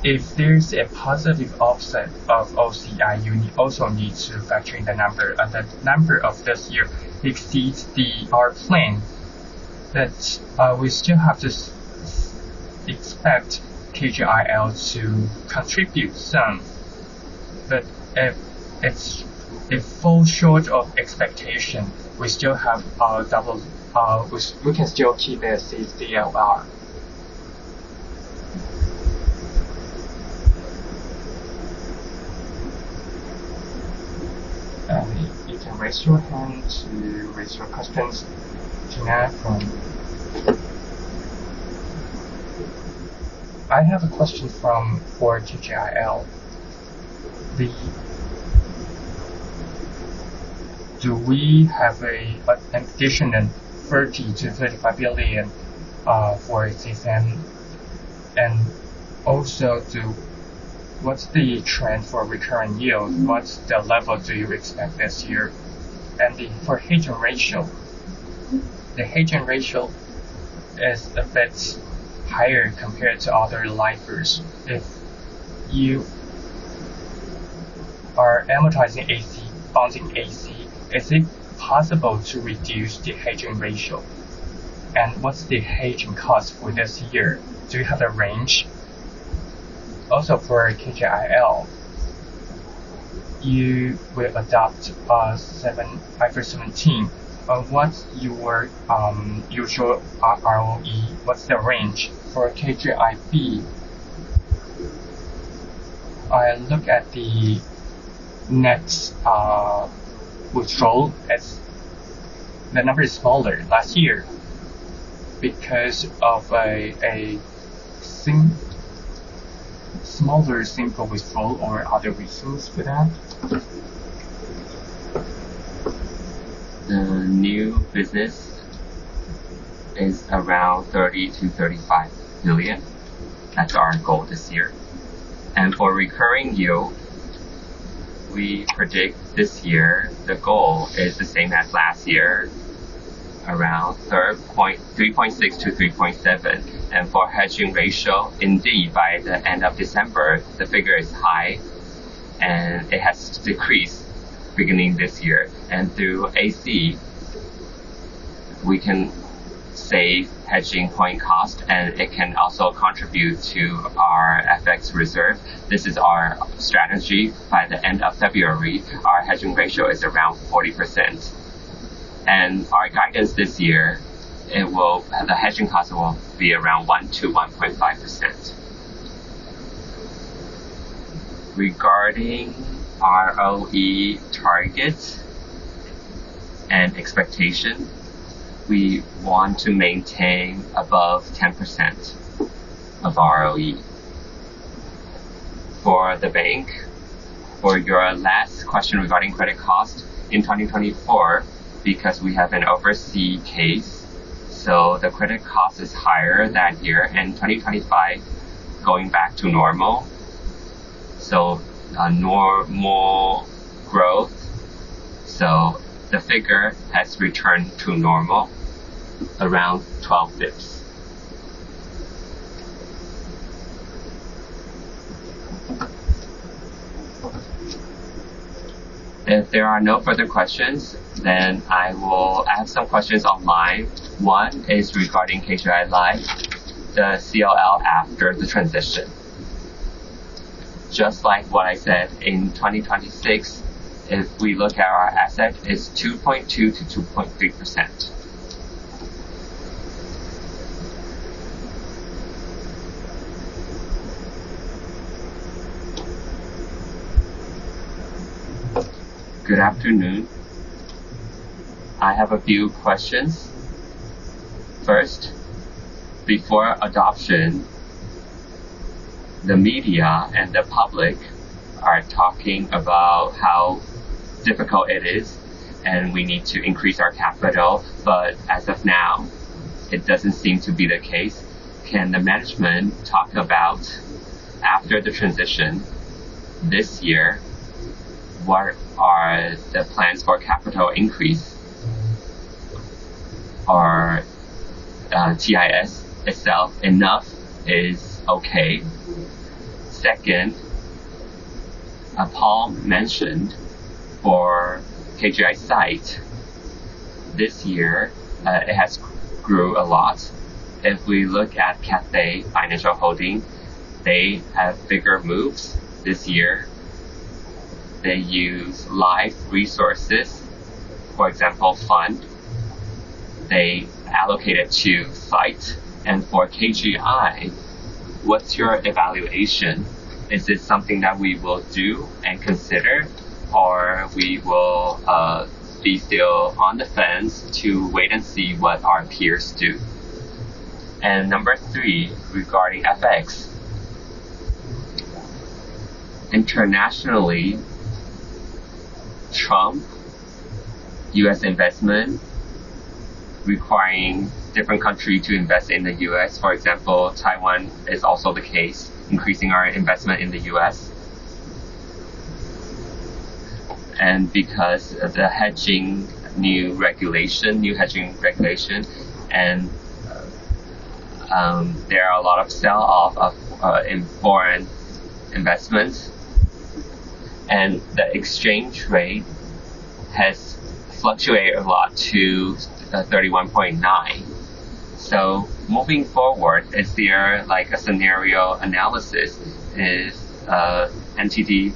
If there is a positive offset of OCI, you also need to factor in the number. The number of this year exceeds our plan, but we still have to expect KJIL to contribute some. If it falls short of expectation, we can still keep the CLR. You can raise your hand to raise your questions. Tina. I have a question for KJIL. Do we have an addition in 30 billion-35 billion for CSM? Also, what is the trend for recurring yield? What level do you expect this year? For hedging ratio, the hedging ratio is a bit higher compared to other lifers. If you are amortizing AC, bonding AC, is it possible to reduce the hedging ratio? What is the hedging cost for this year? Do you have the range? Also, for KJIL, you will adopt IFRS 17. What is your usual ROE? What is the range? For KJIP, I look at the net withdrawal as the number is lower last year because of a smaller single withdrawal or other reasons for that? The new business is around 30 billion-35 billion. That is our goal this year. For recurring yield, we predict this year the goal is the same as last year, around 3.6%-3.7%. For hedging ratio, indeed, by the end of December, the figure is high, and it has decreased beginning this year. Through AC, we can save hedging point cost, and it can also contribute to our FX reserve. This is our strategy. By the end of February, our hedging ratio is around 40%. Our guidance this year, the hedging cost will be around 1%-1.5%. Regarding ROE target and expectation, we want to maintain above 10% of ROE. For the bank, for your last question regarding credit cost in 2024, because we have an overseas case. So the credit cost is higher that year, and 2025, going back to normal. A normal growth. The figure has returned to normal, around 12 basis points. I will ask some questions online. One is regarding KGI Life, the CLR after the transition. Just like what I said, in 2026, if we look at our asset, it is 2.2%-2.3%. Good afternoon. I have a few questions. First, before adoption, the media and the public are talking about how difficult it is, and we need to increase our capital. As of now, it does not seem to be the case. Can the management talk about after the transition this year, what are the plans for capital increase? Our GIS itself, enough is okay. Second, Paul mentioned for KGI SITE this year, it has grown a lot. If we look at Cathay Financial Holding, they have bigger moves this year. They use life resources, for example, fund, they allocate it to SITE. For KGI, what is your evaluation? Is this something that we will do and consider, or we will be still on the fence to wait and see what our peers do? Number three, regarding FX. Internationally, Trump, U.S. investment, requiring different country to invest in the U.S., for example, Taiwan is also the case, increasing our investment in the U.S. Because of the hedging new regulation, new hedging regulation, there are a lot of sell-off in foreign investments. The exchange rate has fluctuated a lot to 31.9. Moving forward, is there a scenario analysis if TWD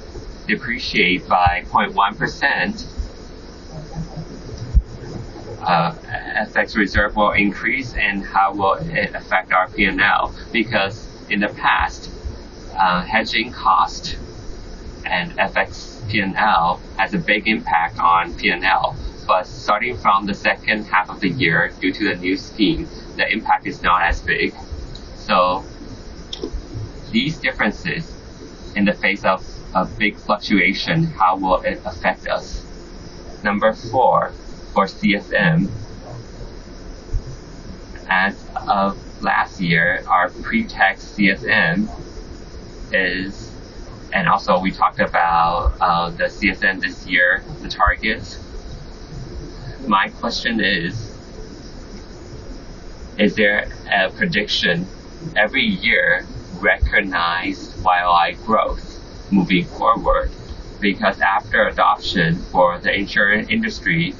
depreciate by 0.1%, FX valuation reserves will increase, and how will it affect our P&L? Because in the past, hedging cost and FX P&L has a big impact on P&L. Starting from the second half of the year, due to the new scheme, the impact is not as big. These differences in the face of a big fluctuation, how will it affect us? Number four, for CSM, as of last year, our pre-tax CSM is, and also we talked about the CSM this year, the targets. My question is: Is there a prediction every year recognized while growth moving forward? Because after adoption for the insurance industry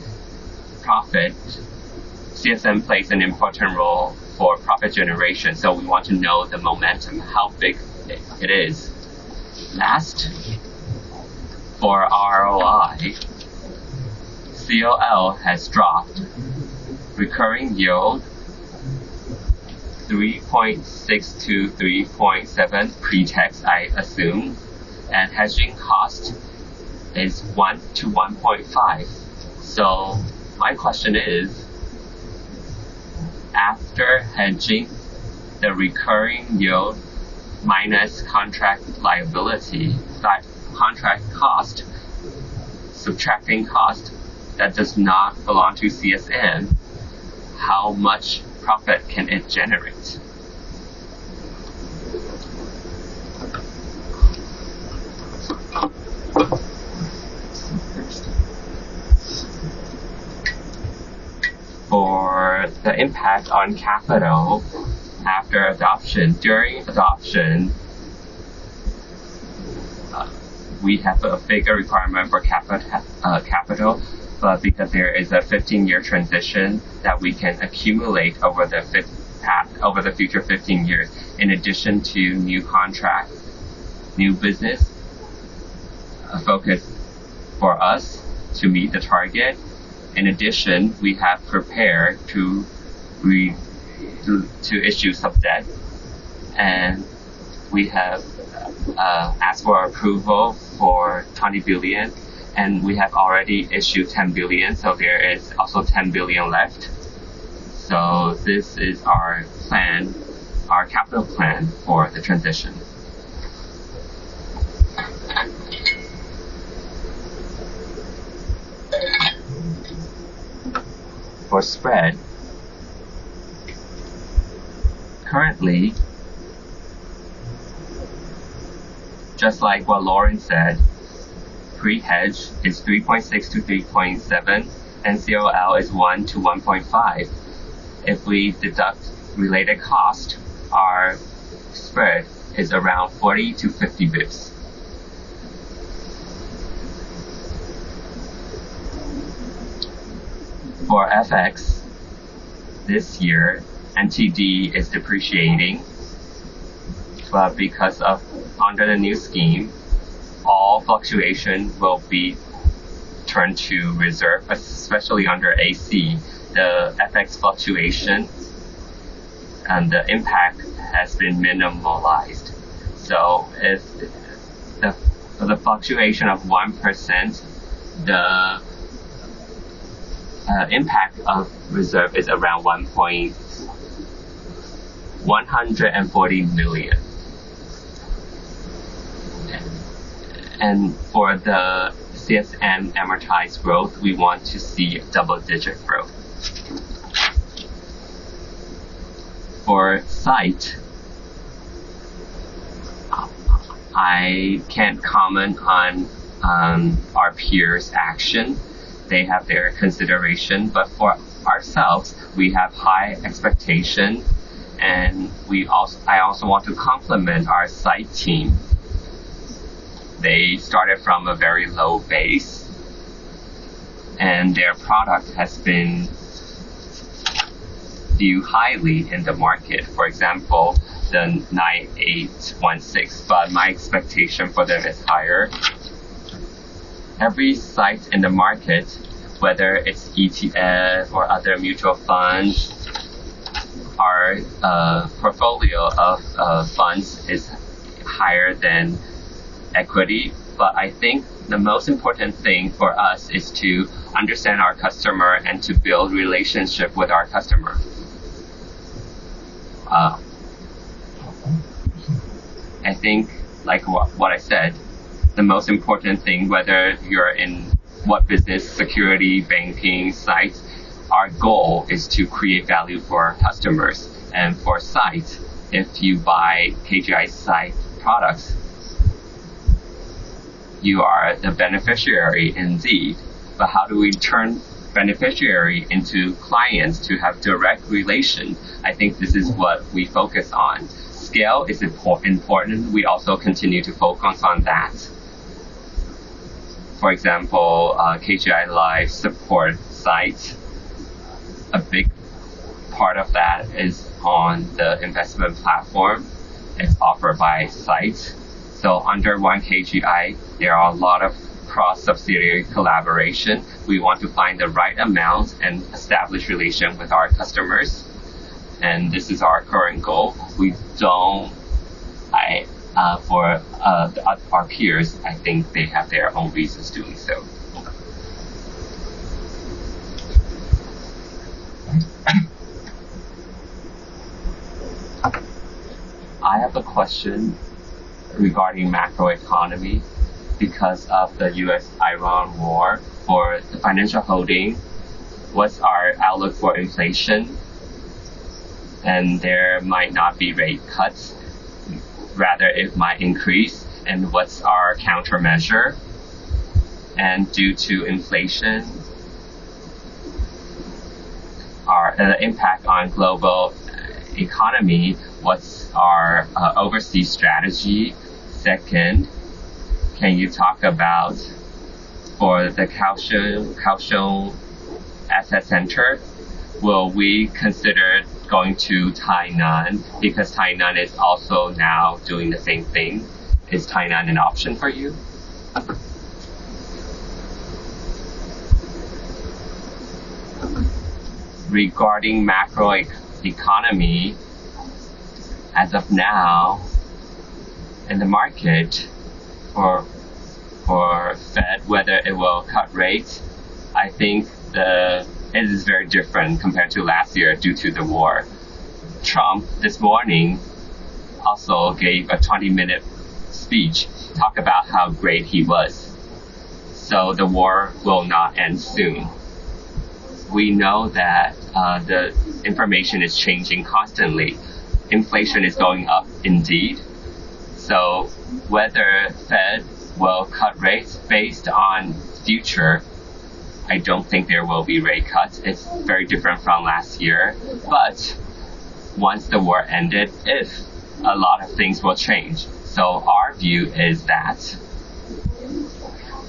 profit, CSM plays an important role for profit generation. We want to know the momentum, how big it is. Last, for ROI, COL has dropped. Recurring yield, 3.6%-3.7% pre-tax, I assume, and hedging cost is 1%-1.5%. My question is: After hedging the recurring yield minus contract cost, subtracting cost that does not belong to CSM, how much profit can it generate? For the impact on capital after adoption, during adoption, we have a bigger requirement for capital, but because there is a 15-year transition that we can accumulate over the future 15 years. In addition to new contracts, new business, a focus for us to meet the target. In addition, we have prepared to issue subset, and we have asked for approval for 20 billion, and we have already issued 10 billion, so there is also 10 billion left. This is our capital plan for the transition. For spread, currently, just like what Lauren said, pre-hedge is 3.6%-3.7%, and COL is 1%-1.5%. If we deduct related cost, our spread is around 40-50 basis points. For FX this year, TWD is depreciating, because under the new scheme, all fluctuations will be turned to reserve, especially under AC, the FX fluctuations and the impact has been minimalized. For the fluctuation of 1%, the impact of reserve is around 140 million. For the CSM amortized growth, we want to see double-digit growth. For KGI SITE, I cannot comment on our peers' action. They have their consideration. For ourselves, we have high expectations, and I also want to compliment our KGI SITE team. They started from a very low base, and their product has been viewed highly in the market, for example, the 009816. My expectation for them is higher. Every KGI SITE in the market, whether it is ETF or other mutual funds, our portfolio of funds is higher than equity. I think the most important thing for us is to understand our customer and to build relationship with our customer. I think, like what I said, the most important thing, whether you are in what business, securities, banking, KGI SITE, our goal is to create value for our customers. For KGI SITE, if you buy KGI SITE products, you are the beneficiary indeed. How do we turn beneficiary into clients to have direct relation? I think this is what we focus on. Scale is important. We also continue to focus on that. For example, KGI Life supports KGI SITE. A big part of that is on the investment platform. It is offered by KGI SITE. Under One KGI, there are a lot of cross-subsidiary collaboration. We want to find the right amount and establish relation with our customers, and this is our current goal. For our peers, I think they have their own reasons doing so. I have a question regarding macroeconomy. Because of the US-Iran war, for the financial holding, what is our outlook for inflation? There might not be rate cuts, rather it might increase, and what is our countermeasure? Due to inflation, the impact on global economy, what is our overseas strategy? Second, can you talk about for the Kaohsiung asset center, will we consider going to Tainan? Because Tainan is also now doing the same thing. Is Tainan an option for you? Regarding macroeconomy, as of now, in the market for Fed, whether it will cut rates, I think it is very different compared to last year due to the war. Trump this morning also gave a 20-minute speech to talk about how great he was. The war will not end soon. We know that the information is changing constantly. Inflation is going up, indeed. Whether Fed will cut rates based on future, I do not think there will be rate cuts. It is very different from last year. Once the war ended, if, a lot of things will change. Our view is that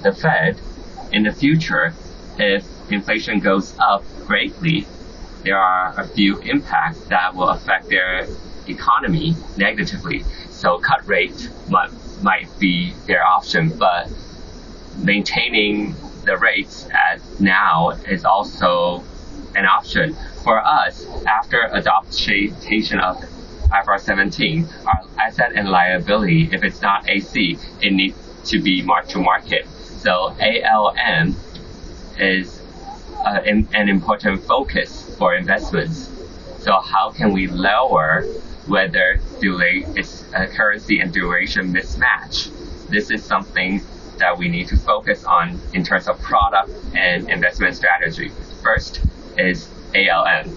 the Fed, in the future, if inflation goes up greatly, there are a few impacts that will affect their economy negatively. Cut rate might be their option, but maintaining the rates as now is also an option. For us, after adoption of IFRS 17, our asset and liability, if it is not AC, it needs to be marked to market. ALM is an important focus for investments. How can we lower whether it is currency and duration mismatch? This is something that we need to focus on in terms of product and investment strategy. First is ALM,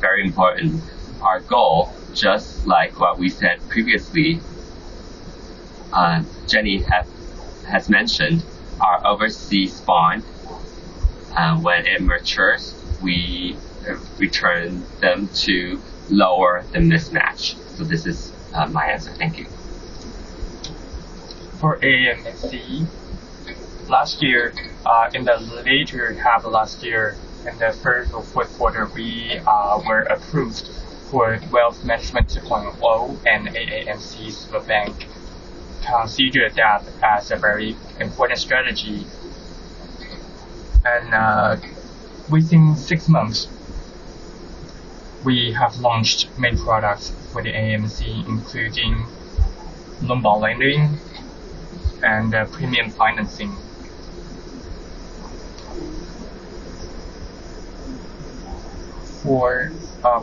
very important. Our goal, just like what we said previously, Jenny has mentioned, our overseas bond, when it matures, we return them to lower the mismatch. This is my answer. Thank you. For AAMC, in the later half of last year, in the third or fourth quarter, we were approved for Wealth Management 2.0 and AAMC, the bank consider that as a very important strategy. Within six months, we have launched many products for the AAMC, including Lombard lending and premium financing. For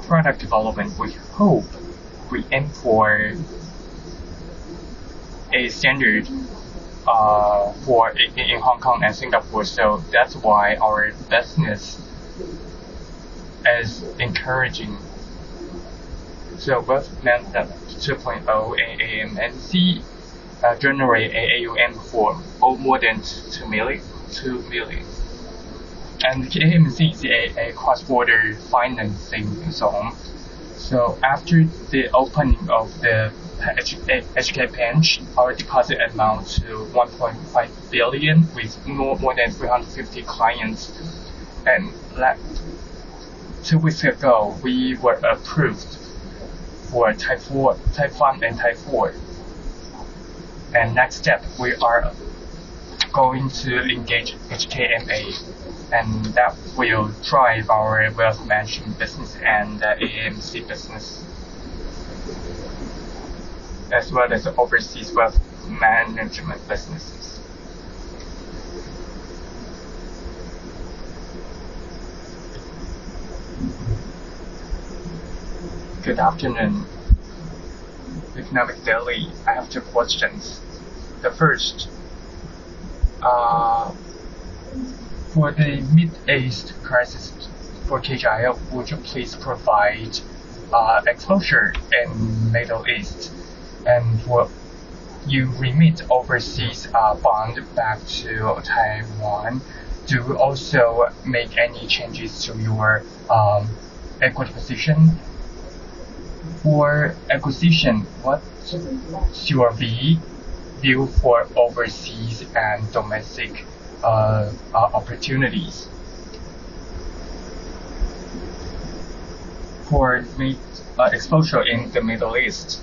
product development, we hope we aim for a standard in Hong Kong and Singapore, that's why our business is encouraging. Both Wealth Management 2.0 AAMC generate AUM for more than 2 million. The AAMC cross-border financing and so on. After the opening of the Hong Kong branch, our deposit amount to 1.5 billion with more than 350 clients. Two weeks ago, we were approved for Type I and Type IV. Next step, we are going to engage HKMA, that will drive our wealth management business and the AAMC business, as well as overseas wealth management businesses. Good afternoon, Economic Daily News. I have two questions. The first, for the Middle East crisis for KGI, would you please provide exposure in Middle East? Will you remit overseas bond back to Taiwan to also make any changes to your equity position? For acquisition, what should CDIB build for overseas and domestic opportunities? For exposure in the Middle East,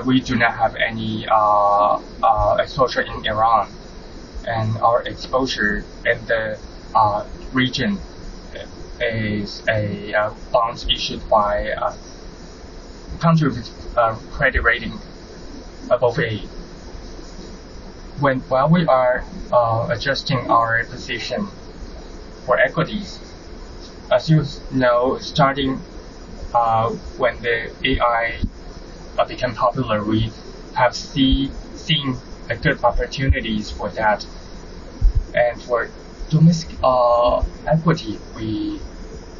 we do not have any exposure in Iran, and our exposure in the region is a bond issued by a country with a credit rating above A. While we are adjusting our position for equities, as you know, starting when the AI became popular, we have seen good opportunities for that. For domestic equity, we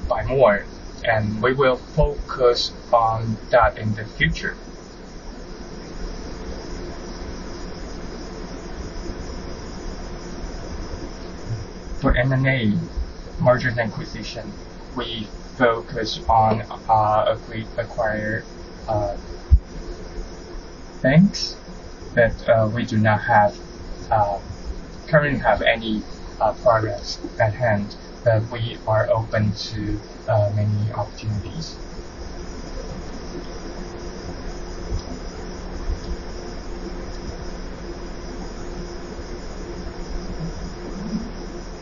buy more, and we will focus on that in the future. For M&A, mergers and acquisition, we focus on acquired banks, but we do not currently have any progress at hand, but we are open to many opportunities.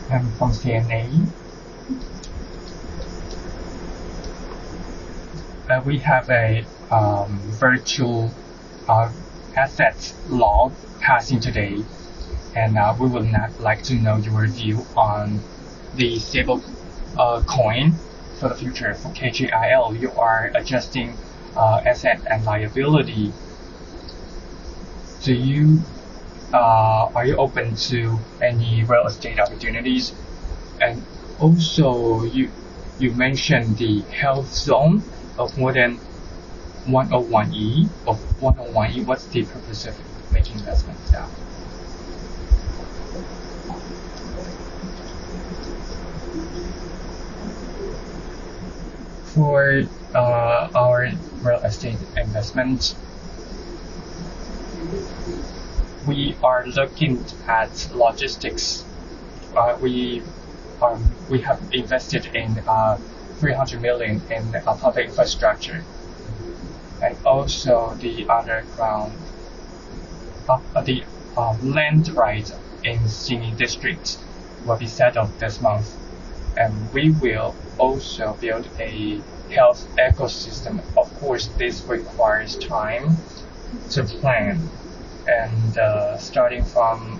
I'm from CNA. We have a virtual assets law passing today, and we would like to know your view on the stablecoin for the future. For KGI Life, you are adjusting asset and liability. Are you open to any real estate opportunities? Also, you mentioned the health zone of more than Taipei 101. What's the purpose of making investments there? For our real estate investment, we are looking at logistics. We have invested 300 million in public infrastructure, and also the other ground. The land right in Xinyi District will be settled this month, and we will also build a health ecosystem. Starting from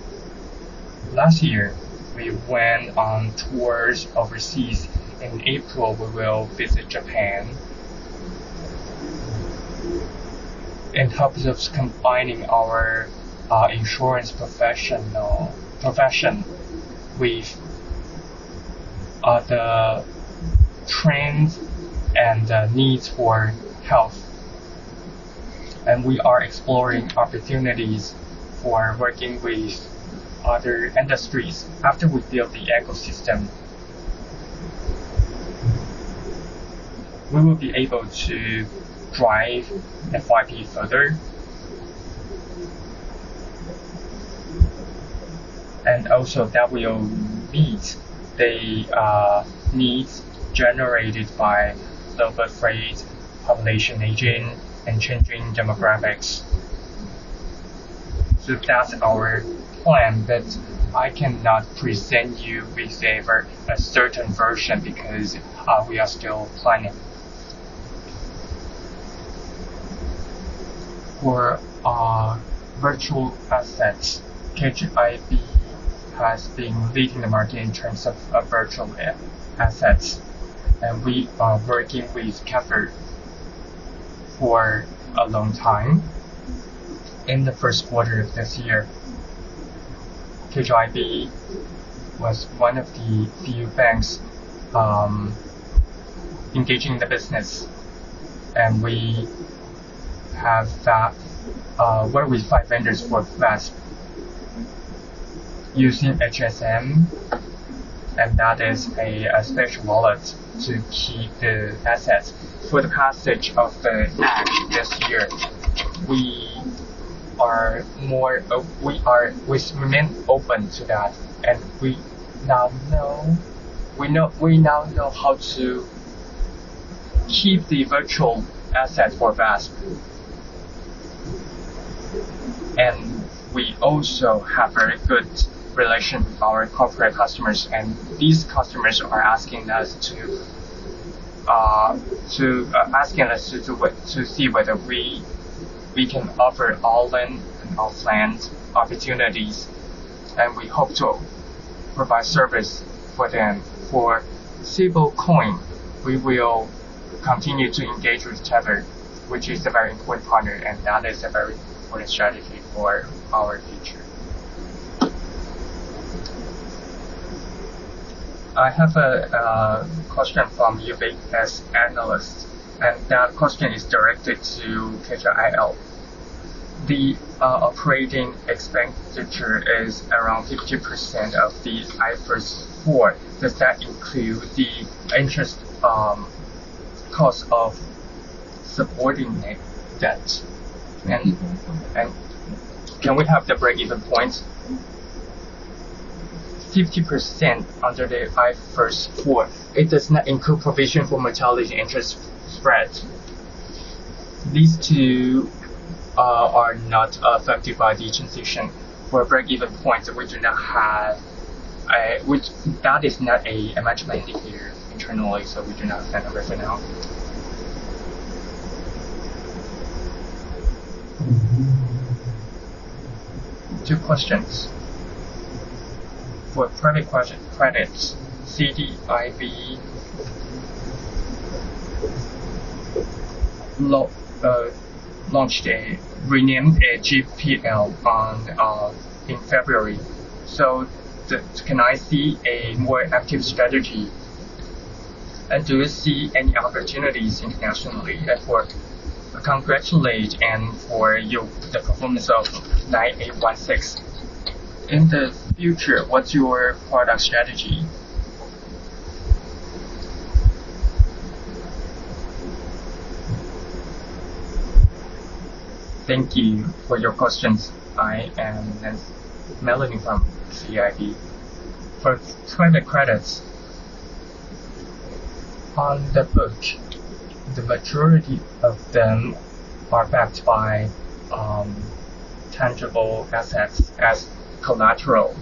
last year, we went on tours overseas. In April, we will visit Japan in terms of combining our insurance profession with the trends and needs for health. We are exploring opportunities for working with other industries. After we build the ecosystem, we will be able to drive FYP further, and also that will meet the needs generated by lower birthrate, population aging, and changing demographics. That's our plan, but I cannot present you with a certain version because we are still planning. For virtual assets, KGI Bank has been leading the market in terms of virtual assets, and we are working with Tether for a long time. In the first quarter of this year, KGI Bank was one of the few banks engaging the business, and we have worked with five vendors for VASP using HSM, and that is a special wallet to keep the assets. For the passage of the act this year, we remain open to that, and we now know how to keep the virtual asset for VASP. We also have very good relations with our corporate customers, and these customers are asking us to see whether we can offer our land and our planned opportunities, and we hope to provide service for them. For stablecoin, we will continue to engage with Tether, which is a very important partner, and that is a very important strategy for our future. I have a question from UBS analyst, and that question is directed to KGI Life. The operating expenditure is around 50% of the IFRS 4. Does that include the interest cost of supporting net debt? Can we have the break-even points? 50% under the IFRS 4, it does not include provision for mortality interest spreads. These two are not affected by the transition. For break-even points, that is not imagined here internally. We do not have that number for now. Two questions. For private credits, CDIB renamed AGPIL in February. Can I see a more active strategy, and do you see any opportunities internationally? Congratulate and for the performance of 9816. In the future, what's your product strategy? Thank you for your questions. I am Melanie from CDIB. For private credits On the book, the majority of them are backed by tangible assets as collateral.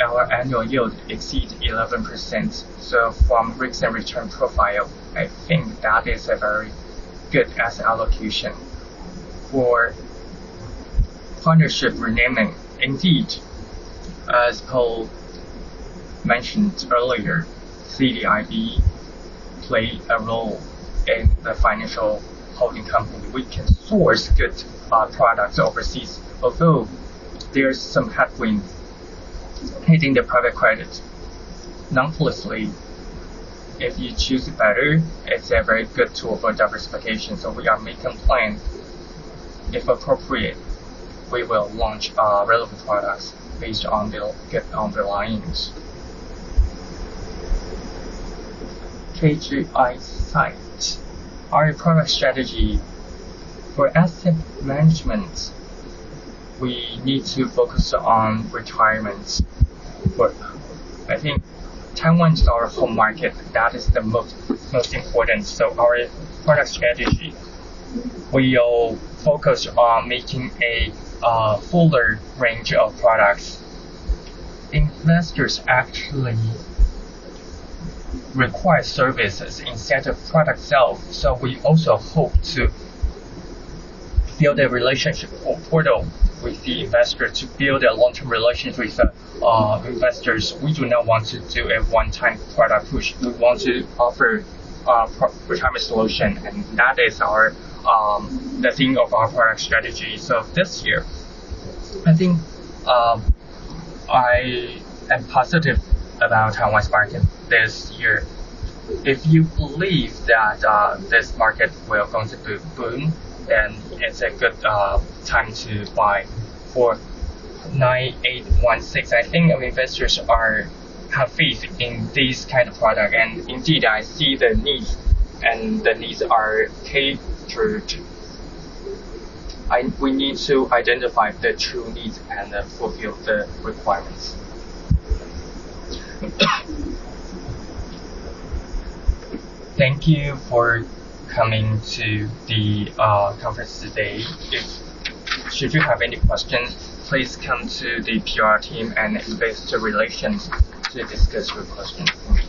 Our annual yield exceeds 11%. From risk and return profile, I think that is a very good asset allocation. For partnership renaming, indeed, as Paul mentioned earlier, CDIB played a role in the financial holding company. We can source good products overseas. Although there's some headwinds hitting the private credit. Nonetheless, if you choose better, it's a very good tool for diversification. We are making plans. If appropriate, we will launch relevant products based on the underlyings. KGI SITE. Our product strategy for asset management, we need to focus on retirement. I think Taiwan's our home market. That is the most important. Our product strategy, we'll focus on making a fuller range of products. Investors actually require services instead of product sales. We also hope to build a relationship or portal with the investor to build a long-term relationship with the investors. We do not want to do a one-time product push. We want to offer a retirement solution, and that is the thing of our product strategy. This year, I think I am positive about Taiwan's market this year. If you believe that this market is going to boom, then it is a good time to buy 9816. I think investors are happy with this kind of product. Indeed, I see the needs, and the needs are catered to. We need to identify the true needs and fulfill the requirements. Thank you for coming to the conference today. Should you have any questions, please come to the PR team and investor relations to discuss your questions. Thank you.